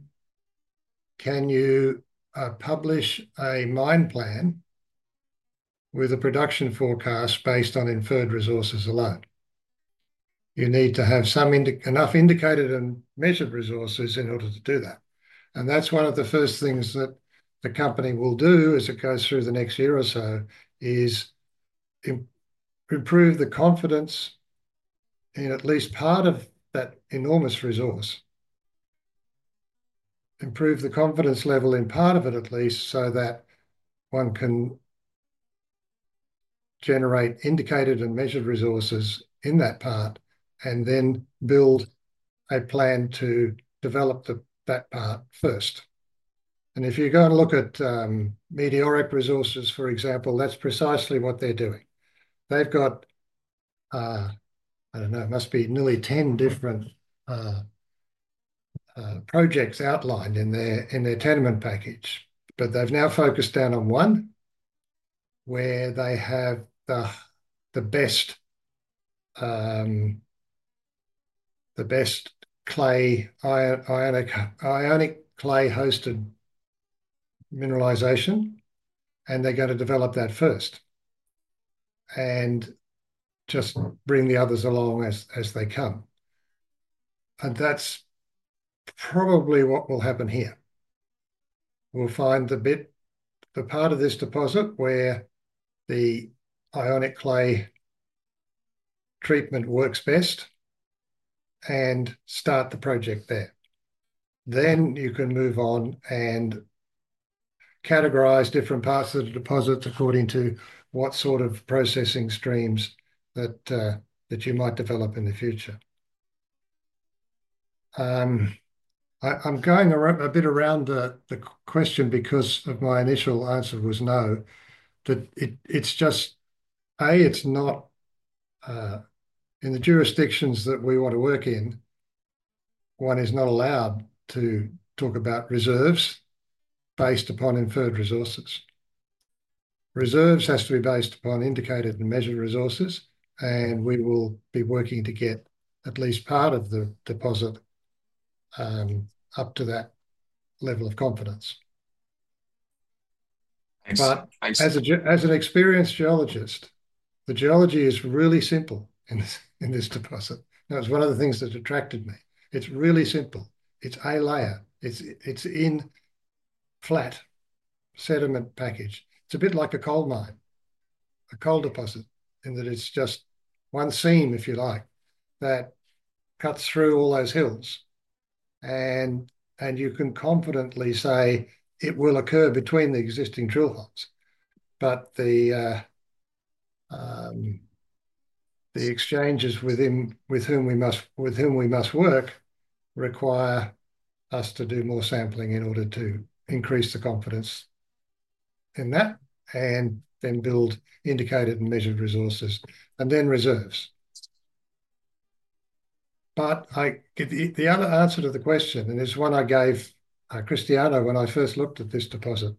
can you publish a mine plan with a production forecast based on inferred resources alone? You need to have enough indicated and measured resources in order to do that. That is one of the first things that the company will do as it goes through the next year or so, is improve the confidence in at least part of that enormous resource, improve the confidence level in part of it at least so that one can generate indicated and measured resources in that part, and then build a plan to develop that part first. If you go and look at Meteoric Resources, for example, that's precisely what they're doing. They've got, I don't know, it must be nearly 10 different projects outlined in their tenement package. They've now focused down on one where they have the best clay, ionic clay hosted mineralization, and they're going to develop that first and just bring the others along as they come. That's probably what will happen here. We'll find the part of this deposit where the ionic clay treatment works best and start the project there. You can move on and categorize different parts of the deposit according to what sort of processing streams that you might develop in the future. I'm going a bit around the question because my initial answer was no. A, it's not in the jurisdictions that we want to work in, one is not allowed to talk about reserves based upon inferred resources. Reserves has to be based upon indicated and measured resources, and we will be working to get at least part of the deposit up to that level of confidence. As an experienced Geologist, the Geology is really simple in this deposit. That was one of the things that attracted me. It's really simple. It's a layer. It's in flat sediment package. It's a bit like a coal mine, a coal deposit, in that it's just one seam, if you like, that cuts through all those hills. You can confidently say it will occur between the existing drill holes. The exchanges with whom we must work require us to do more sampling in order to increase the confidence in that and then build indicated and measured resources, and then reserves. The other answer to the question, and it's one I gave Cristiano when I first looked at this deposit,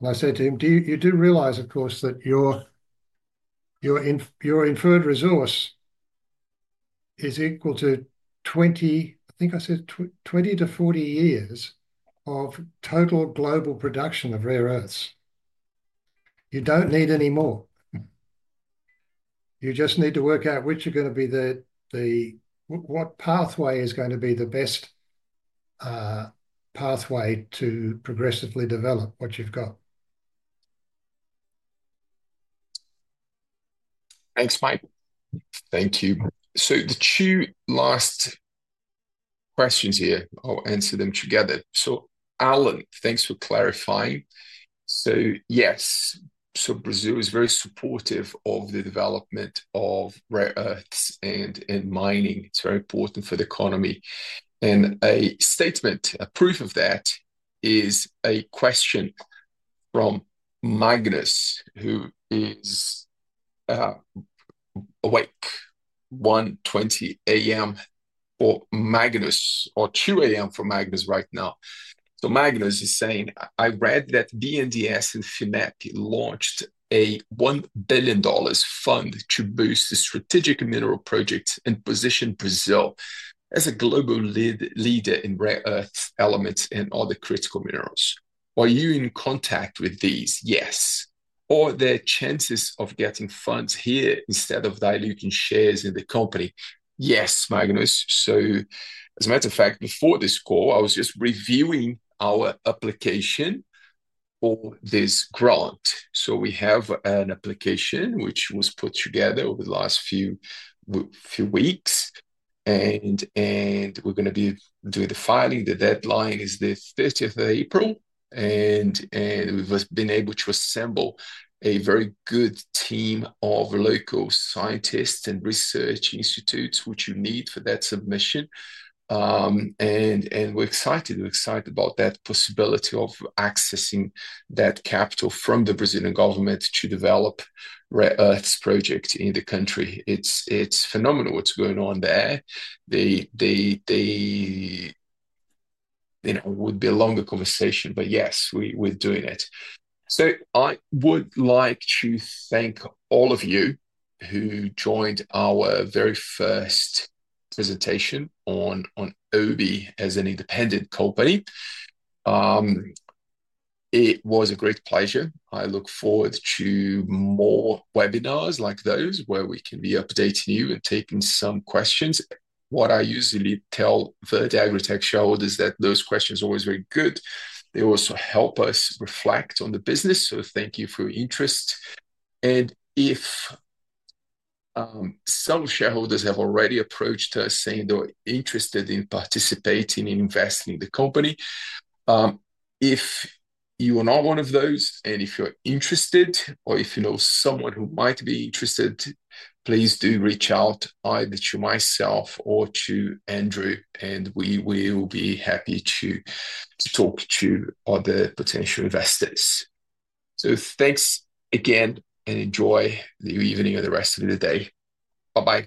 and I said to him, "You do realize, of course, that your inferred resource is equal to 20, I think I said, 20-40 years of total global production of rare earths. You don't need any more. You just need to work out which are going to be the what pathway is going to be the best pathway to progressively develop what you've got." Thanks, Mike. Thank you. The two last questions here, I'll answer them together. Alan, thanks for clarifying. Yes, Brazil is very supportive of the development of rare earths and mining. It's very important for the economy. A statement, a proof of that, is a question from Magnus, who is awake, 1:20 A.M. for Magnus, or 2:00 A.M. for Magnus right now. Magnus is saying, "I read that BNDS and FINEP launched a $1 billion fund to boost the strategic mineral project and position Brazil as a global leader in rare earth elements and other critical minerals. Are you in contact with these? Yes. Are there chances of getting funds here instead of diluting shares in the company?" Yes, Magnus. As a matter of fact, before this call, I was just reviewing our application for this grant. We have an application which was put together over the last few weeks. We're going to be doing the filing. The deadline is the 30th of April. We have been able to assemble a very good team of local scientists and research institutes, which you need for that submission. We are excited. We are excited about that possibility of accessing that capital from the Brazilian government to develop rare earths project in the country. It is phenomenal what is going on there. It would be a longer conversation, but yes, we are doing it. I would like to thank all of you who joined our very first presentation on OV as an independent company. It was a great pleasure. I look forward to more webinars like those where we can be updating you and taking some questions. What I usually tell Verde AgriTech shareholders is that those questions are always very good. They also help us reflect on the business. Thank you for your interest. Some shareholders have already approached us saying they're interested in participating in investing in the company. If you are not one of those, and if you're interested, or if you know someone who might be interested, please do reach out either to myself or to Andrew. We will be happy to talk to other potential investors. Thanks again, and enjoy the evening or the rest of the day. Bye-bye.